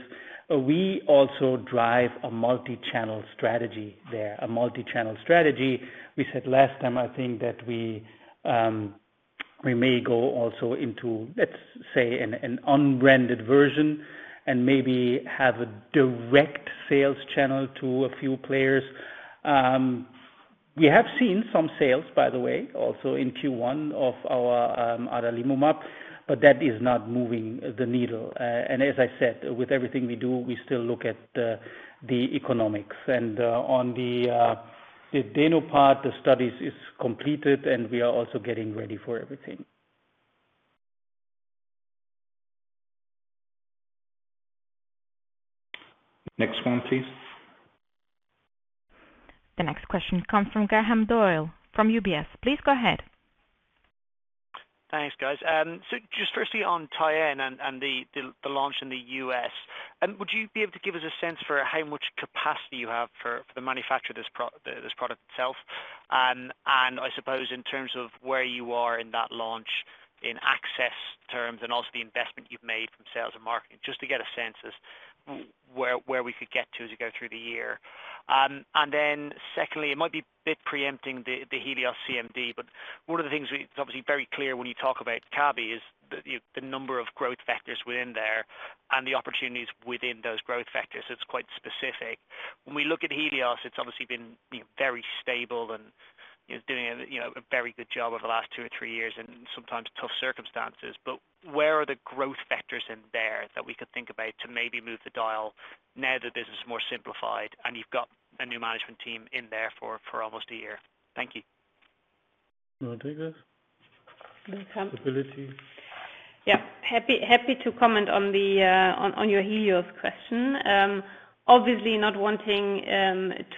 We also drive a multi-channel strategy there, a multi-channel strategy. We said last time, I think, that we may go also into, let's say, an unbranded version and maybe have a direct sales channel to a few players. We have seen some sales, by the way, also in Q1 of our adalimumab. But that is not moving the needle. As I said, with everything we do, we still look at the economics. And on the denosumab part, the study is completed, and we are also getting ready for everything. Next one, please. The next question comes from Graham Doyle from UBS. Please go ahead. Thanks, guys. So just firstly on Tyenne and the launch in the U.S., would you be able to give us a sense for how much capacity you have for the manufacture of this product itself? And I suppose in terms of where you are in that launch in access terms and also the investment you've made from sales and marketing, just to get a sense of where we could get to as we go through the year. And then secondly, it might be a bit preempting the Helios CMD, but one of the things it's obviously very clear when you talk about Kabi is the number of growth vectors within there and the opportunities within those growth vectors. It's quite specific. When we look at Helios, it's obviously been very stable and doing a very good job over the last two or three years in sometimes tough circumstances. But where are the growth vectors in there that we could think about to maybe move the dial now that this is more simplified and you've got a new management team in there for almost a year? Thank you. Do you want to take this? Stability. Yeah. Happy to comment on your Helios question. Obviously, not wanting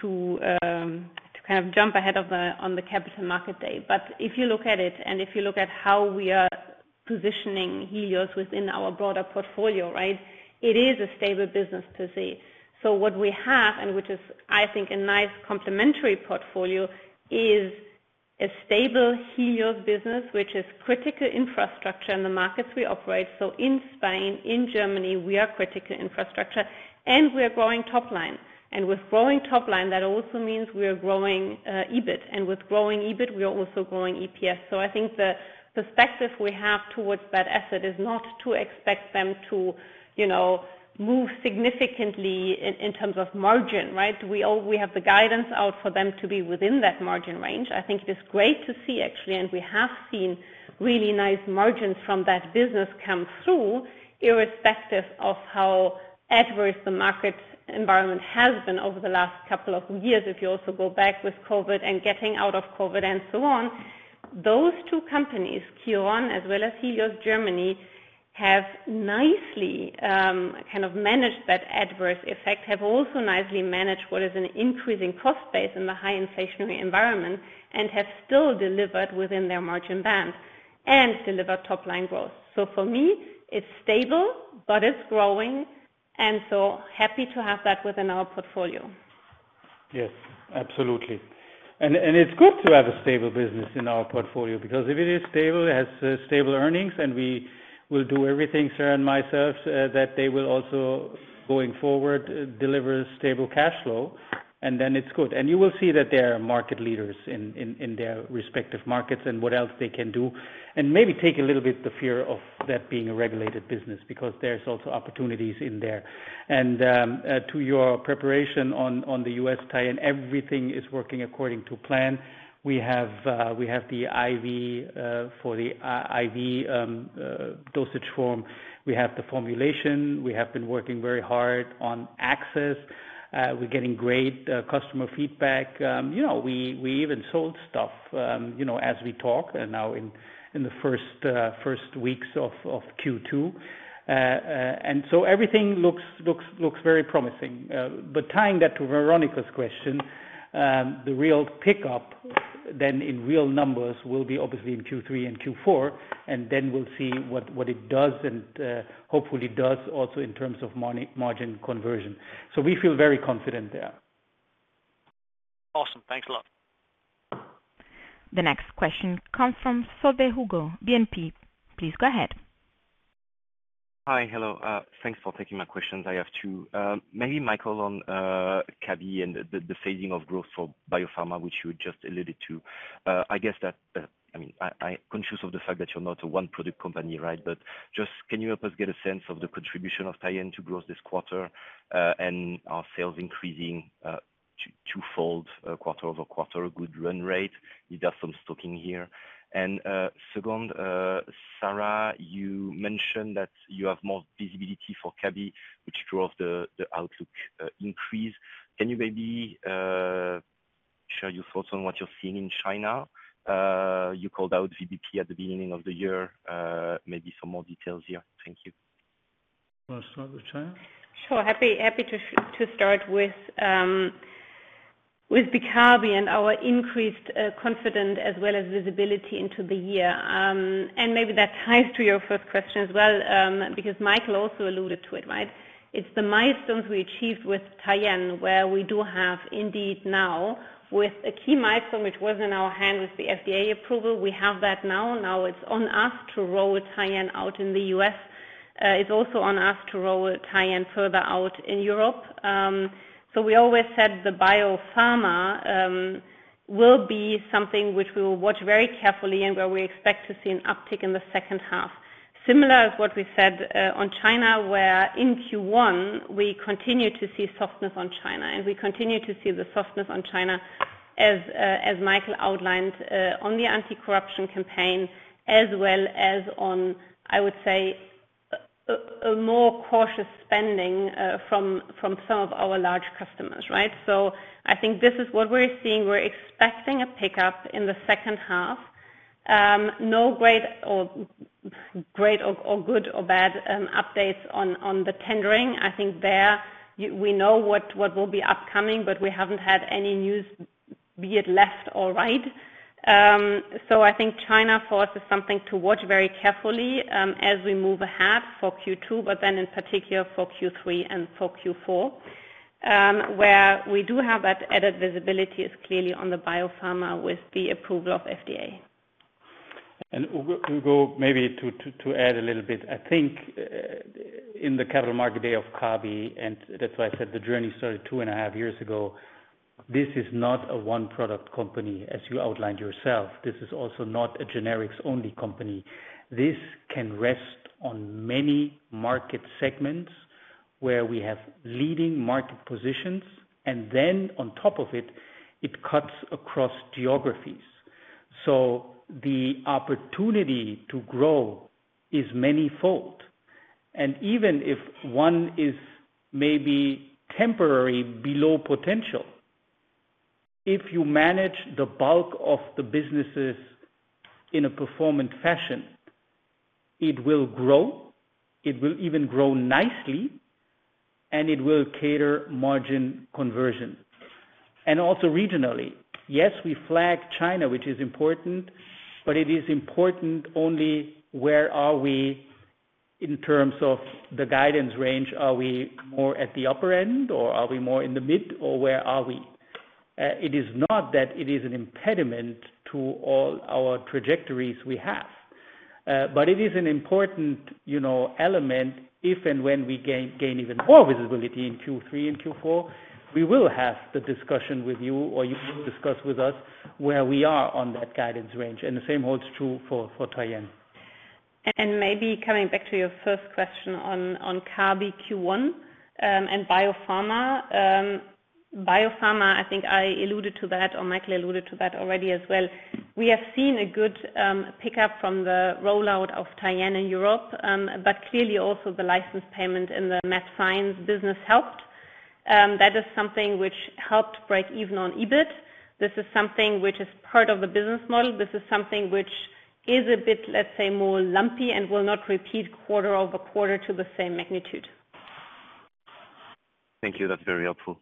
to kind of jump ahead on the Capital Markets Day. But if you look at it and if you look at how we are positioning Helios within our broader portfolio, right, it is a stable business per se. So what we have, and which is, I think, a nice complementary portfolio, is a stable Helios business which is critical infrastructure in the markets we operate. So in Spain, in Germany, we are critical infrastructure, and we are growing top line. And with growing top line, that also means we are growing EBIT. And with growing EBIT, we are also growing EPS. So I think the perspective we have towards that asset is not to expect them to move significantly in terms of margin, right? We have the guidance out for them to be within that margin range. I think it is great to see, actually. And we have seen really nice margins from that business come through irrespective of how adverse the market environment has been over the last couple of years. If you also go back with COVID and getting out of COVID and so on, those two companies, Quirónsalud as well as Helios Germany, have nicely kind of managed that adverse effect, have also nicely managed what is an increasing cost base in the high-inflationary environment, and have still delivered within their margin band and delivered top-line growth. So for me, it's stable, but it's growing. And so happy to have that within our portfolio. Yes. Absolutely. And it's good to have a stable business in our portfolio because if it is stable, it has stable earnings. And we will do everything, Sarah and myself, that they will also going forward deliver stable cash flow. And then it's good. You will see that they are market leaders in their respective markets and what else they can do and maybe take a little bit the fear of that being a regulated business because there's also opportunities in there. To your preparation on the U.S. Tyenne, everything is working according to plan. We have the IV for the IV dosage form. We have the formulation. We have been working very hard on access. We're getting great customer feedback. We even sold stuff as we talk now in the first weeks of Q2. So everything looks very promising. But tying that to Veronika's question, the real pickup then in real numbers will be obviously in Q3 and Q4. Then we'll see what it does and hopefully does also in terms of margin conversion. So we feel very confident there. Awesome. Thanks a lot. The next question comes from Hugo Soltys, BNP Paribas. Please go ahead. Hi. Hello. Thanks for taking my questions. I have two. Maybe Michael on Kabi and the phasing of growth for biopharma, which you just alluded to. I guess that I mean, conscious of the fact that you're not a one-product company, right, but just can you help us get a sense of the contribution of Tyenne to growth this quarter and our sales increasing twofold quarter-over-quarter, a good run rate? You've done some stocking here. And second, Sara, you mentioned that you have more visibility for Kabi, which drove the outlook increase. Can you maybe share your thoughts on what you're seeing in China? You called out VBP at the beginning of the year. Maybe some more details here. Thank you. Want to start with China? Sure. Happy to start with the Kabi and our increased confidence as well as visibility into the year. Maybe that ties to your first question as well because Michael also alluded to it, right? It's the milestones we achieved with Tyenne where we do have indeed now with a key milestone which was in our hand with the FDA approval. We have that now. Now, it's on us to roll Tyenne out in the U.S. It's also on us to roll Tyenne further out in Europe. We always said the biopharma will be something which we will watch very carefully and where we expect to see an uptick in the second half, similar to what we said on China where in Q1, we continue to see softness on China. We continue to see the softness on China as Michael outlined on the anti-corruption campaign as well as on, I would say, a more cautious spending from some of our large customers, right? So I think this is what we're seeing. We're expecting a pickup in the second half. No great or good or bad updates on the tendering. I think there, we know what will be upcoming, but we haven't had any news, be it left or right. So I think China for us is something to watch very carefully as we move ahead for Q2, but then in particular for Q3 and for Q4 where we do have that added visibility is clearly on the biopharma with the approval of FDA. Hugo, maybe to add a little bit, I think in the Capital Markets Day of Kabi, and that's why I said the journey started two and a half years ago, this is not a one-product company as you outlined yourself. This is also not a generics-only company. This can rest on many market segments where we have leading market positions. Then on top of it, it cuts across geographies. So the opportunity to grow is many-fold. And even if one is maybe temporary below potential, if you manage the bulk of the businesses in a performant fashion, it will grow. It will even grow nicely. And it will cater margin conversion. And also regionally, yes, we flag China, which is important, but it is important only where are we in terms of the guidance range? Are we more at the upper end, or are we more in the mid, or where are we? It is not that it is an impediment to all our trajectories we have. But it is an important element if and when we gain even more visibility in Q3 and Q4; we will have the discussion with you or you will discuss with us where we are on that guidance range. The same holds true for Tyenne. Maybe coming back to your first question on Kabi Q1 and biopharma, biopharma, I think I alluded to that, or Michael alluded to that already as well. We have seen a good pickup from the rollout of Tyenne in Europe, but clearly also the license payment and the mAbxience business helped. That is something which helped break even on EBIT. This is something which is part of the businessmodel. This is something which is a bit, let's say, more lumpy and will not repeat quarter-over-quarter to the same magnitude. Thank you. That's very helpful.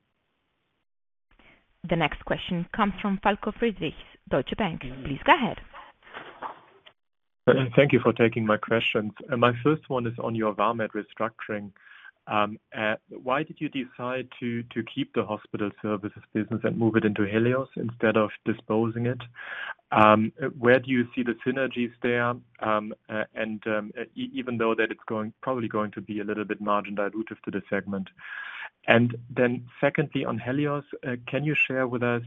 The next question comes from Falko Friedrichs, Deutsche Bank. Please go ahead. Thank you for taking my questions. My first one is on your Vamed restructuring. Why did you decide to keep the hospital services business and move it into Helios instead of disposing it? Where do you see the synergies there and even though that it's probably going to be a little bit margin dilutive to the segment? And then secondly, on Helios, can you share with us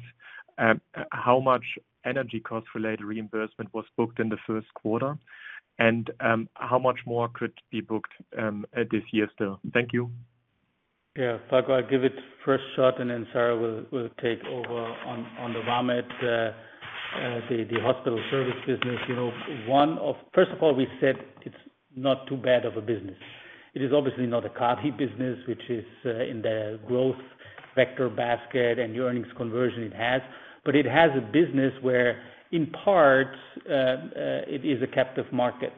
how much energy cost-related reimbursement was booked in the first quarter and how much more could be booked this year still? Thank you. Yeah. Falko, I'll give it first shot, and then Sarah will take over on the Vamed, the hospital service business. First of all, we said it's not too bad of a business. It is obviously not a Kabi business which is in the growth vector basket and earnings conversion it has. But it has a business where in part, it is a captive market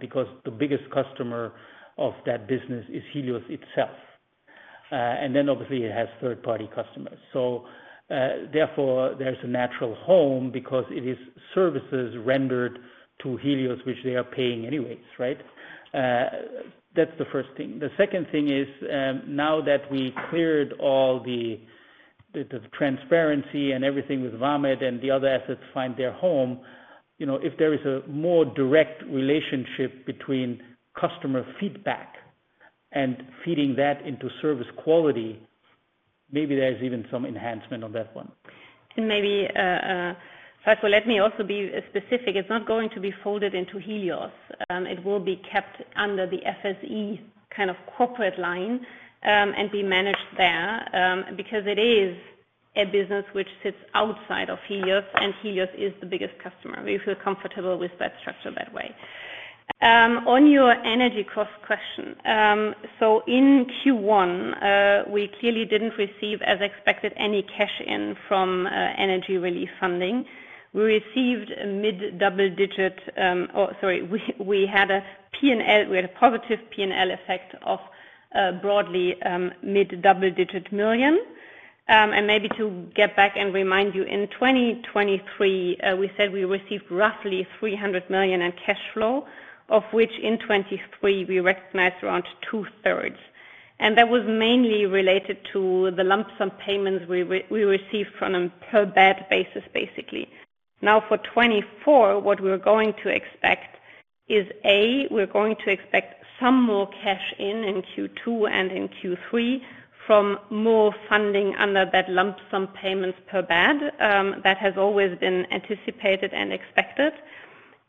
because the biggest customer of that business is Helios itself. And then obviously, it has third-party customers. So therefore, there's a natural home because it is services rendered to Helios which they are paying anyways, right? That's the first thing. The second thing is now that we cleared all the transparency and everything with Vamed and the other assets find their home, if there is a more direct relationship between customer feedback and feeding that into service quality, maybe there's even some enhancement on that one. And maybe Falko, let me also be specific. It's not going to be folded into Helios. It will be kept under the FSE kind of corporate line and be managed there because it is a business which sits outside of Helios, and Helios is the biggest customer. We feel comfortable with that structure that way. On your energy cost question, so in Q1, we clearly didn't receive as expected any cash-in from energy relief funding. We received a mid-double-digit oh, sorry. We had a positive P&L effect of broadly EUR mid-double-digit million. And maybe to get back and remind you, in 2023, we said we received roughly 300 million in cash flow, of which in 2023, we recognized around two-thirds. And that was mainly related to the lump sum payments we received on a per-bed basis, basically. Now, for 2024, what we're going to expect is, A, we're going to expect some more cash-in in Q2 and in Q3 from more funding under that lump sum payments per bed. That has always been anticipated and expected.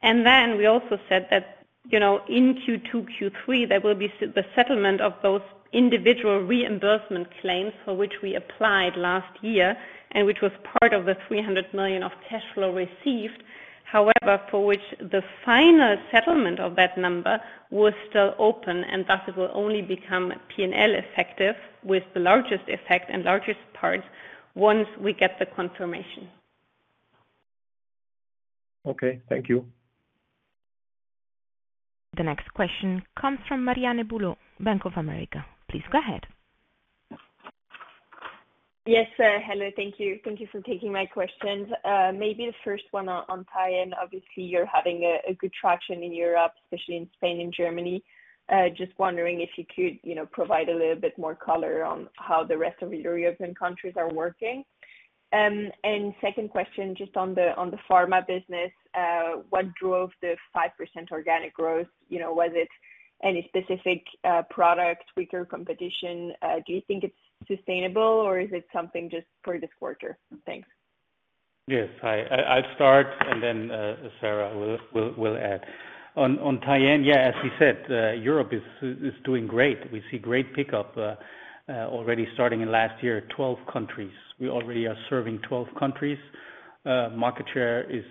And then we also said that in Q2, Q3, there will be the settlement of those individual reimbursement claims for which we applied last year and which was part of the 300 million of cash flow received, however, for which the final settlement of that number was still open. And thus, it will only become P&L effective with the largest effect and largest parts once we get the confirmation. Okay. Thank you. The next question comes from Marianne Bulot, Bank of America. Please go ahead. Yes, sir. Hello. Thank you. Thank you for taking my questions. Maybe the first one on Tyenne, obviously, you're having good traction in Europe, especially in Spain and Germany. Just wondering if you could provide a little bit more color on how the rest of your European countries are working. And second question, just on the pharma business, what drove the 5% organic growth? Was it any specific product, weaker competition? Do you think it's sustainable, or is it something just for this quarter? Thanks. Yes. I'll start, and then Sarah will add. On Tyenne, yeah, as we said, Europe is doing great. We see great pickup already starting in last year, 12 countries. We already are serving 12 countries. Market share is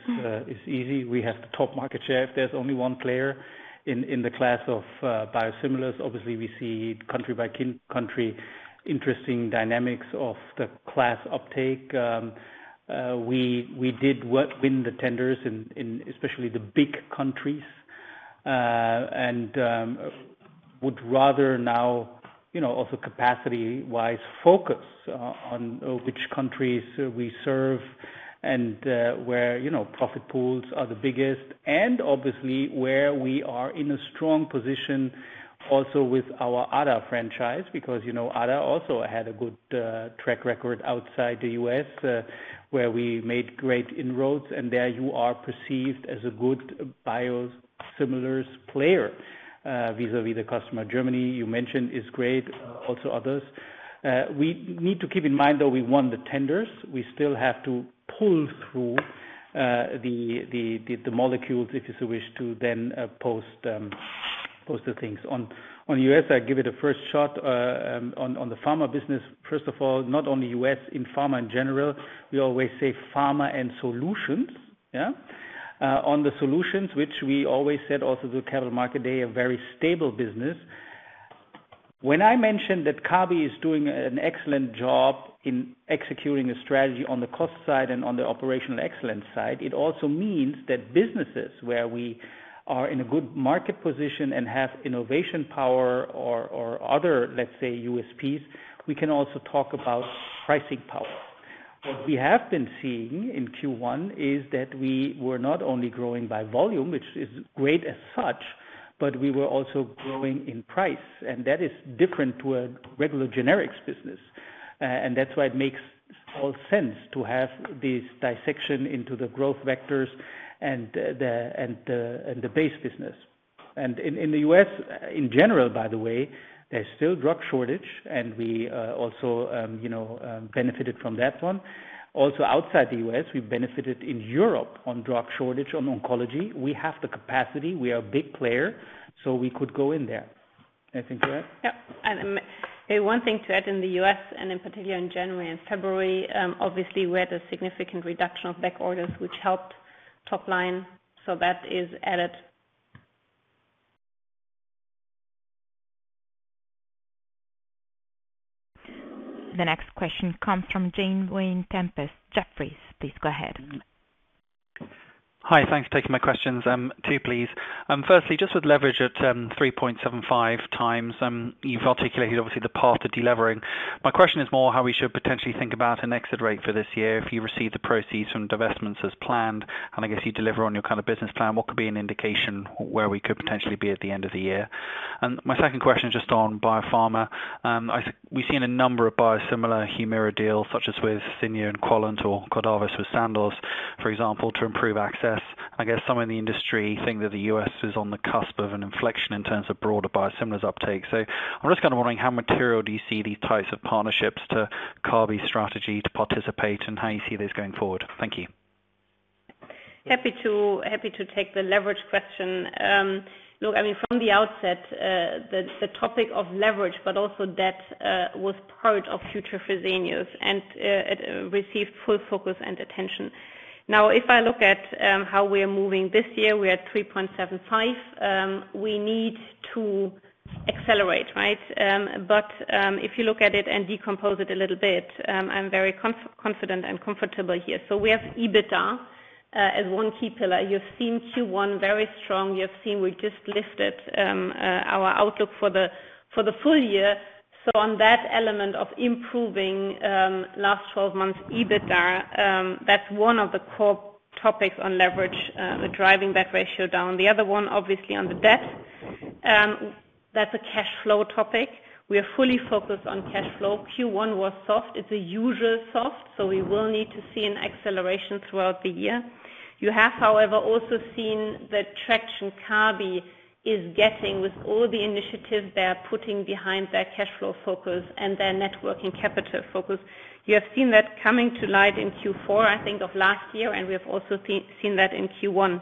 easy. We have the top market share if there's only one player in the class of biosimilars. Obviously, we see country-by-country interesting dynamics of the class uptake. We did win the tenders, especially the big countries, and would rather now also capacity-wise focus on which countries we serve and where profit pools are the biggest and obviously where we are in a strong position also with our ADA franchise because ADA also had a good track record outside the U.S. where we made great inroads. And there, you are perceived as a good biosimilars player vis-à-vis the customer. Germany, you mentioned, is great. Also others. We need to keep in mind, though, we won the tenders. We still have to pull through the molecules, if you so wish, to then post the things. On the U.S., I'll give it a first shot. On the pharma business, first of all, not only U.S., in pharma in general, we always say pharma and solutions, yeah, on the solutions, which we always said also to the Capital Markets Day, a very stable business. When I mentioned that Kabi is doing an excellent job in executing a strategy on the cost side and on the operational excellence side, it also means that businesses where we are in a good market position and have innovation power or other, let's say, USPs, we can also talk about pricing power. What we have been seeing in Q1 is that we were not only growing by volume, which is great as such, but we were also growing in price. That is different to a regular generics business. That's why it makes all sense to have this dissection into the growth vectors and the base business. And in the U.S., in general, by the way, there's still drug shortage, and we also benefited from that one. Also outside the U.S., we benefited in Europe on drug shortage on oncology. We have the capacity. We are a big player, so we could go in there. Anything to add? Yep. And one thing to add, in the U.S. and in particular in January and February, obviously, we had a significant reduction of back orders which helped top line. So that is added. The next question comes from James Vane-Tempest. Jefferies, please go ahead. Hi. Thanks for taking my questions. Two, please. Firstly, just with leverage at 3.75x, you've articulated, obviously, the path to delevering. My question is more how we should potentially think about an exit rate for this year if you receive the proceeds from divestments as planned. And I guess you deliver on your kind of business plan. What could be an indication where we could potentially be at the end of the year? And my second question is just on biopharma. We've seen a number of biosimilar Humira deals such as with Cigna and Quallent or Cordavis with Sandoz, for example, to improve access. I guess some in the industry think that the U.S. is on the cusp of an inflection in terms of broader biosimilars uptake. So I'm just kind of wondering, how material do you see these types of partnerships to Kabi's strategy to participate and how you see this going forward? Thank you. Happy to take the leverage question. Look, I mean, from the outset, the topic of leverage but also debt was part of future Fresenius and received full focus and attention. Now, if I look at how we are moving this year, we are at 3.75. We need to accelerate, right? But if you look at it and decompose it a little bit, I'm very confident and comfortable here. So we have EBITDA as one key pillar. You've seen Q1 very strong. You've seen we just lifted our outlook for the full year. So on that element of improving last 12 months' EBITDA, that's one of the core topics on leverage, driving that ratio down. The other one, obviously, on the debt, that's a cash flow topic. We are fully focused on cash flow. Q1 was soft. It's a usual soft. So we will need to see an acceleration throughout the year. You have, however, also seen the traction Kabi is getting with all the initiatives they are putting behind their cash flow focus and their net working capital focus. You have seen that coming to light in Q4, I think, of last year, and we have also seen that in Q1.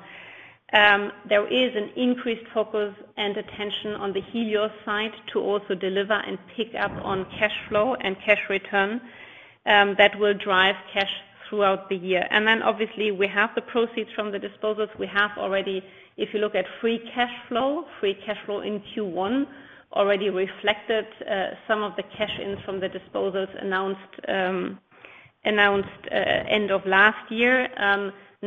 There is an increased focus and attention on the Helios side to also deliver and pick up on cash flow and cash return that will drive cash throughout the year. And then obviously, we have the proceeds from the disposals. We have already, if you look at free cash flow, free cash flow in Q1 already reflected some of the cash-ins from the disposals announced end of last year.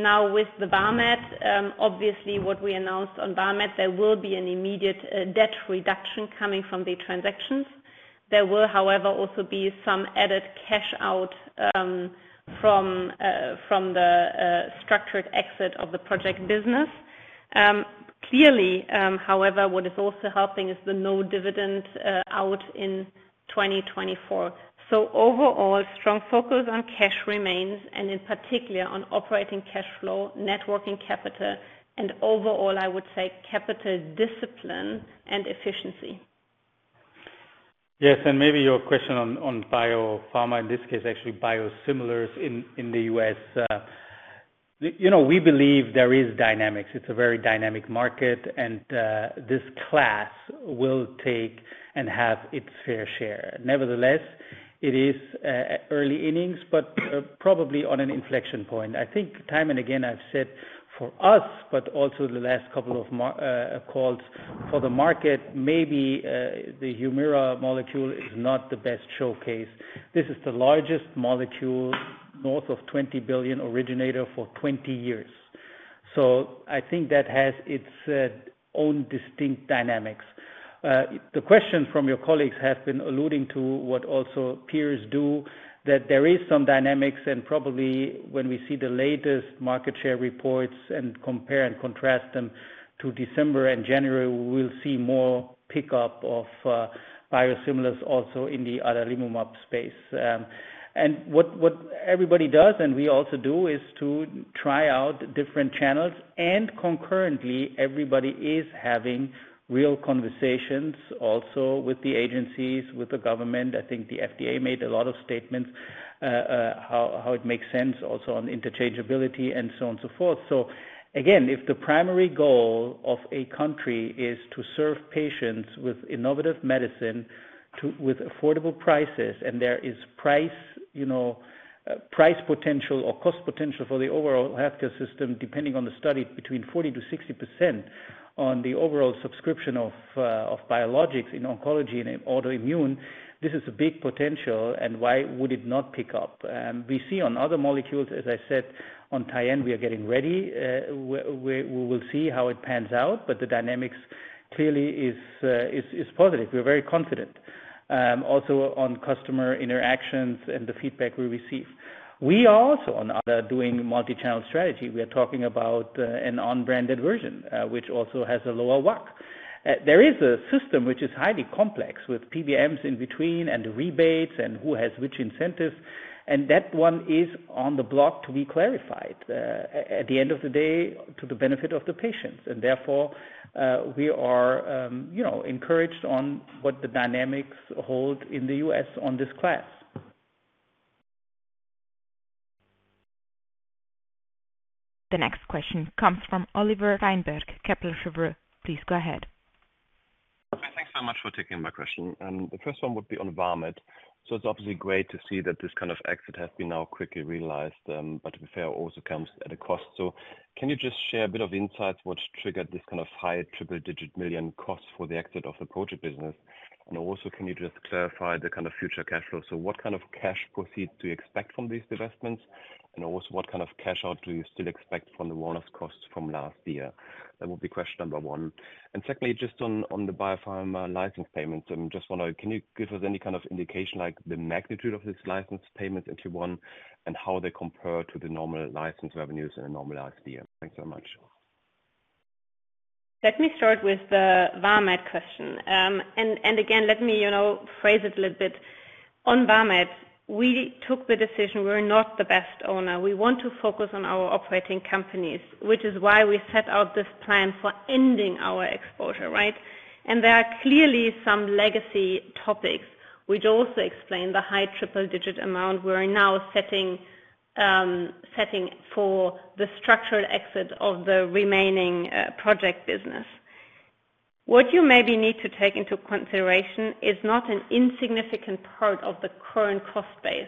Now, with the Vamed, obviously, what we announced on Vamed, there will be an immediate debt reduction coming from the transactions. There will, however, also be some added cash out from the structured exit of the project business. Clearly, however, what is also helping is the no-dividend out in 2024. So overall, strong focus on cash remains and in particular on operating cash flow, net working capital, and overall, I would say, capital discipline and efficiency. Yes. And maybe your question on biopharma, in this case, actually biosimilars in the U.S. We believe there is dynamics. It's a very dynamic market, and this class will take and have its fair share. Nevertheless, it is early innings but probably on an inflection point. I think time and again, I've said for us but also the last couple of calls for the market, maybe the Humira molecule is not the best showcase. This is the largest molecule, north of $20 billion, originator for 20 years. So I think that has its own distinct dynamics. The questions from your colleagues have been alluding to what also peers do, that there is some dynamics. Probably when we see the latest market share reports and compare and contrast them to December and January, we'll see more pickup of biosimilars also in the adalimumab space. What everybody does and we also do is to try out different channels. Concurrently, everybody is having real conversations also with the agencies, with the government. I think the FDA made a lot of statements how it makes sense also on interchangeability and so on and so forth. Again, if the primary goal of a country is to serve patients with innovative medicine with affordable prices and there is price potential or cost potential for the overall healthcare system, depending on the study, between 40%-60% on the overall prescription of biologics in oncology and autoimmune, this is a big potential. Why would it not pick up? We see on other molecules, as I said, on Tyenne, we are getting ready. We will see how it pans out. But the dynamics clearly is positive. We're very confident also on customer interactions and the feedback we receive. We are also on ADA doing multi-channel strategy. We are talking about an unbranded version, which also has a lower WAC. There is a system which is highly complex with PBMs in between and rebates and who has which incentives. And that one is on the block to be clarified at the end of the day to the benefit of the patients. And therefore, we are encouraged on what the dynamics hold in the U.S. on this class. The next question comes from Oliver Reinberg, Kepler Cheuvreux. Please go ahead. Hi. Thanks so much for taking my question. The first one would be on Vamed. So it's obviously great to see that this kind of exit has been now quickly realized. But to be fair, it also comes at a cost. So can you just share a bit of insights what triggered this kind of high triple-digit million cost for the exit of the project business? And also, can you just clarify the kind of future cash flow? So what kind of cash proceeds do you expect from these divestments? And also, what kind of cash out do you still expect from the wellness costs from last year? That would be question number 1. And secondly, just on the biopharma license payments, I just want to know, can you give us any kind of indication like the magnitude of these license payments in Q1 and how they compare to the normal license revenues in a normalized year? Thanks so much. Let me start with the Vamed question. Again, let me phrase it a little bit. On Vamed, we took the decision we're not the best owner. We want to focus on our operating companies, which is why we set out this plan for ending our exposure, right? And there are clearly some legacy topics, which also explain the high triple-digit amount we are now setting for the structural exit of the remaining project business. What you maybe need to take into consideration is not an insignificant part of the current cost base.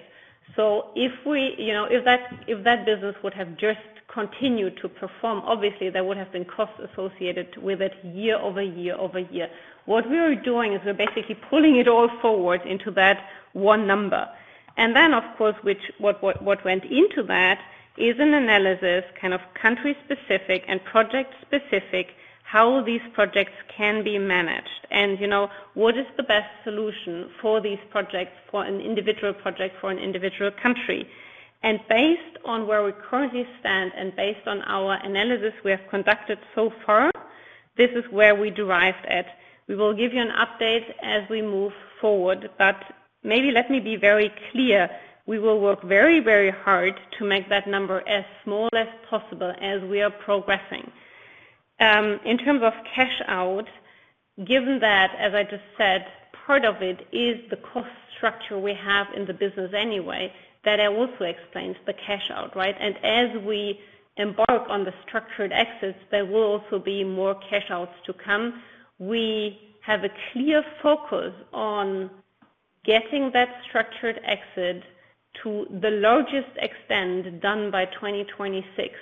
So if that business would have just continued to perform, obviously, there would have been costs associated with it year-over-year. What we are doing is we're basically pulling it all forward into that one number. Then, of course, what went into that is an analysis, kind of country-specific and project-specific, how these projects can be managed and what is the best solution for these projects, for an individual project, for an individual country. Based on where we currently stand and based on our analysis we have conducted so far, this is where we derived at. We will give you an update as we move forward. But maybe let me be very clear. We will work very, very hard to make that number as small as possible as we are progressing. In terms of cash out, given that, as I just said, part of it is the cost structure we have in the business anyway that also explains the cash out, right? As we embark on the structured exits, there will also be more cash outs to come. We have a clear focus on getting that structured exit to the largest extent done by 2026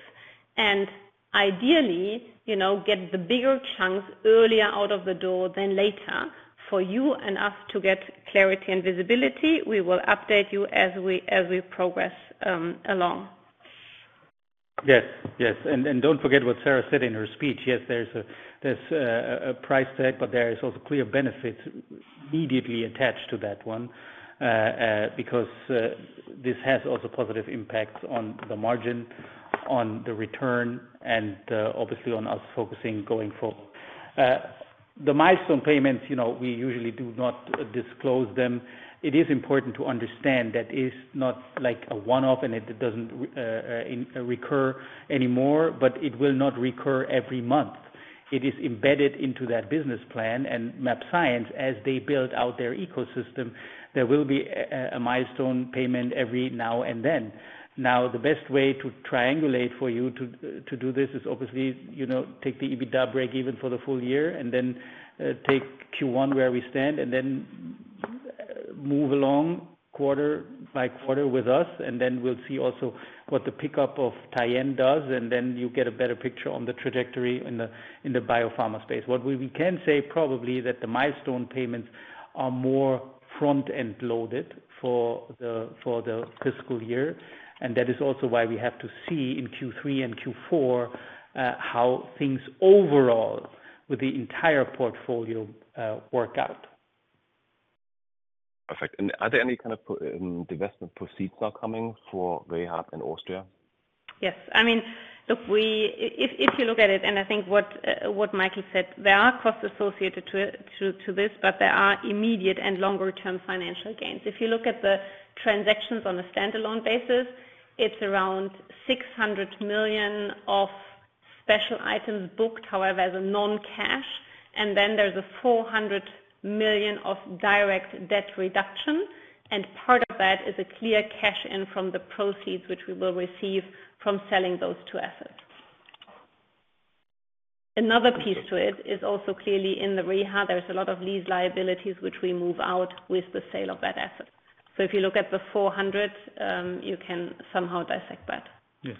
and ideally get the bigger chunks earlier out of the door than later for you and us to get clarity and visibility. We will update you as we progress along. Yes. Yes. And don't forget what Sarah said in her speech. Yes, there's a price tag, but there is also clear benefits immediately attached to that one because this has also positive impacts on the margin, on the return, and obviously on us focusing going forward. The milestone payments, we usually do not disclose them. It is important to understand that it is not a one-off and it doesn't recur anymore, but it will not recur every month. It is embedded into that business plan. And mAbxience, as they build out their ecosystem, there will be a milestone payment every now and then. Now, the best way to triangulate for you to do this is obviously take the EBITDA break even for the full year and then take Q1 where we stand and then move along quarter by quarter with us. And then we'll see also what the pickup of Tyenne does. And then you get a better picture on the trajectory in the biopharma space. What we can say probably is that the milestone payments are more front-end loaded for the fiscal year. And that is also why we have to see in Q3 and Q4 how things overall with the entire portfolio work out. Perfect. And are there any kind of divestment proceeds now coming for Vamed and Austria? Yes. I mean, look, if you look at it and I think what Michael said, there are costs associated to this, but there are immediate and longer-term financial gains. If you look at the transactions on a standalone basis, it's around 600 million of special items booked, however, as a non-cash. Then there's a 400 million of direct debt reduction. Part of that is a clear cash-in from the proceeds, which we will receive from selling those two assets. Another piece to it is also clearly in the Vamed, there's a lot of lease liabilities, which we move out with the sale of that asset. So if you look at the 400 million, you can somehow dissect that. Yes.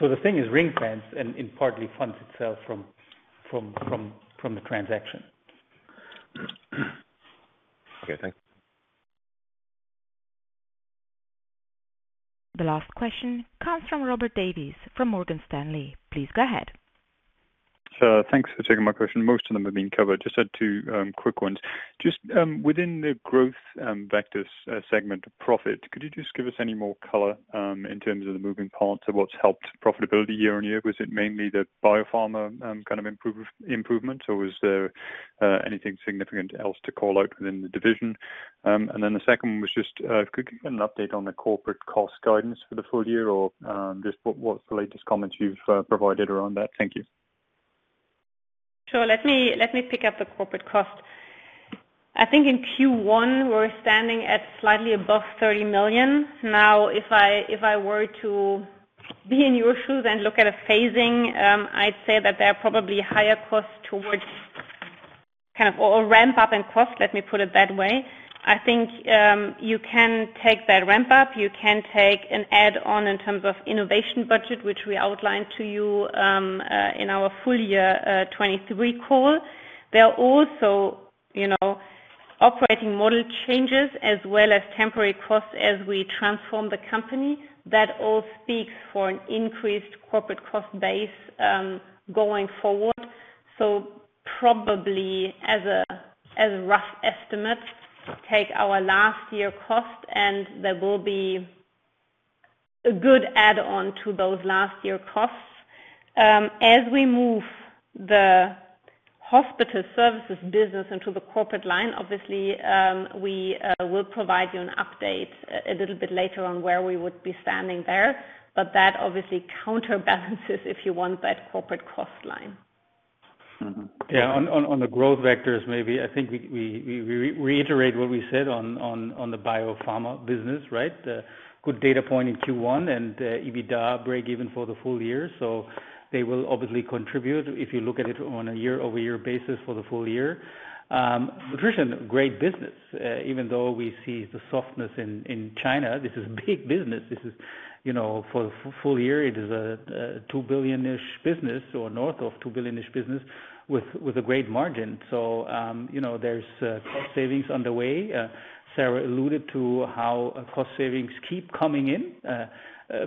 So the thing is ring-fence and partly funds itself from the transaction. Okay. Thanks. The last question comes from Robert Davies from Morgan Stanley. Please go ahead. So thanks for taking my question. Most of them have been covered. Just had two quick ones. Just within the growth vectors segment, profit, could you just give us any more color in terms of the moving parts of what's helped profitability year-on-year? Was it mainly the biopharma kind of improvements or was there anything significant else to call out within the division? And then the second one was just, could you give an update on the corporate cost guidance for the full year or just what's the latest comments you've provided around that? Thank you. Sure. Let me pick up the corporate cost. I think in Q1, we're standing at slightly above 30 million. Now, if I were to be in your shoes and look at a phasing, I'd say that there are probably higher costs towards kind of or ramp-up in cost, let me put it that way. I think you can take that ramp-up. You can take an add-on in terms of innovation budget, which we outlined to you in our full year 2023 call. There are also operating model changes as well as temporary costs as we transform the company. That all speaks for an increased corporate cost base going forward. So probably, as a rough estimate, take our last-year cost, and there will be a good add-on to those last-year costs. As we move the hospital services business into the corporate line, obviously, we will provide you an update a little bit later on where we would be standing there. But that obviously counterbalances, if you want, that corporate cost line. Yeah. On the growth vectors, maybe, I think we reiterate what we said on the biopharma business, right? Good data point in Q1 and EBITDA break even for the full year. So they will obviously contribute if you look at it on a year-over-year basis for the full year. Nutrition, great business. Even though we see the softness in China, this is a big business. For the full year, it is a 2 billion-ish business or north of 2 billion-ish business with a great margin. So there's cost savings underway. Sarah alluded to how cost savings keep coming in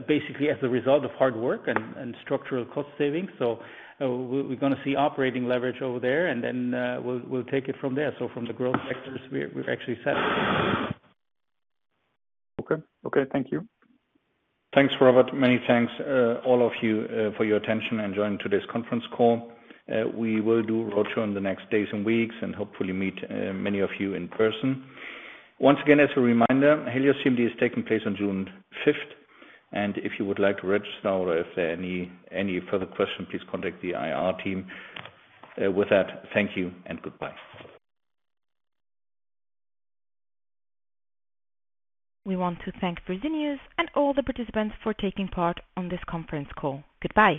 basically as a result of hard work and structural cost savings. So we're going to see operating leverage over there, and then we'll take it from there. So from the growth vectors, we're actually set. Okay. Okay. Thank you. Thanks, Robert. Many thanks, all of you, for your attention and joining today's conference call. We will do a roadshow in the next days and weeks and hopefully meet many of you in person. Once again, as a reminder, Helios CMD is taking place on June 5th. And if you would like to register or if there are any further questions, please contact the IR team. With that, thank you and goodbye. We want to thank Fresenius and all the participants for taking part on this conference call. Goodbye.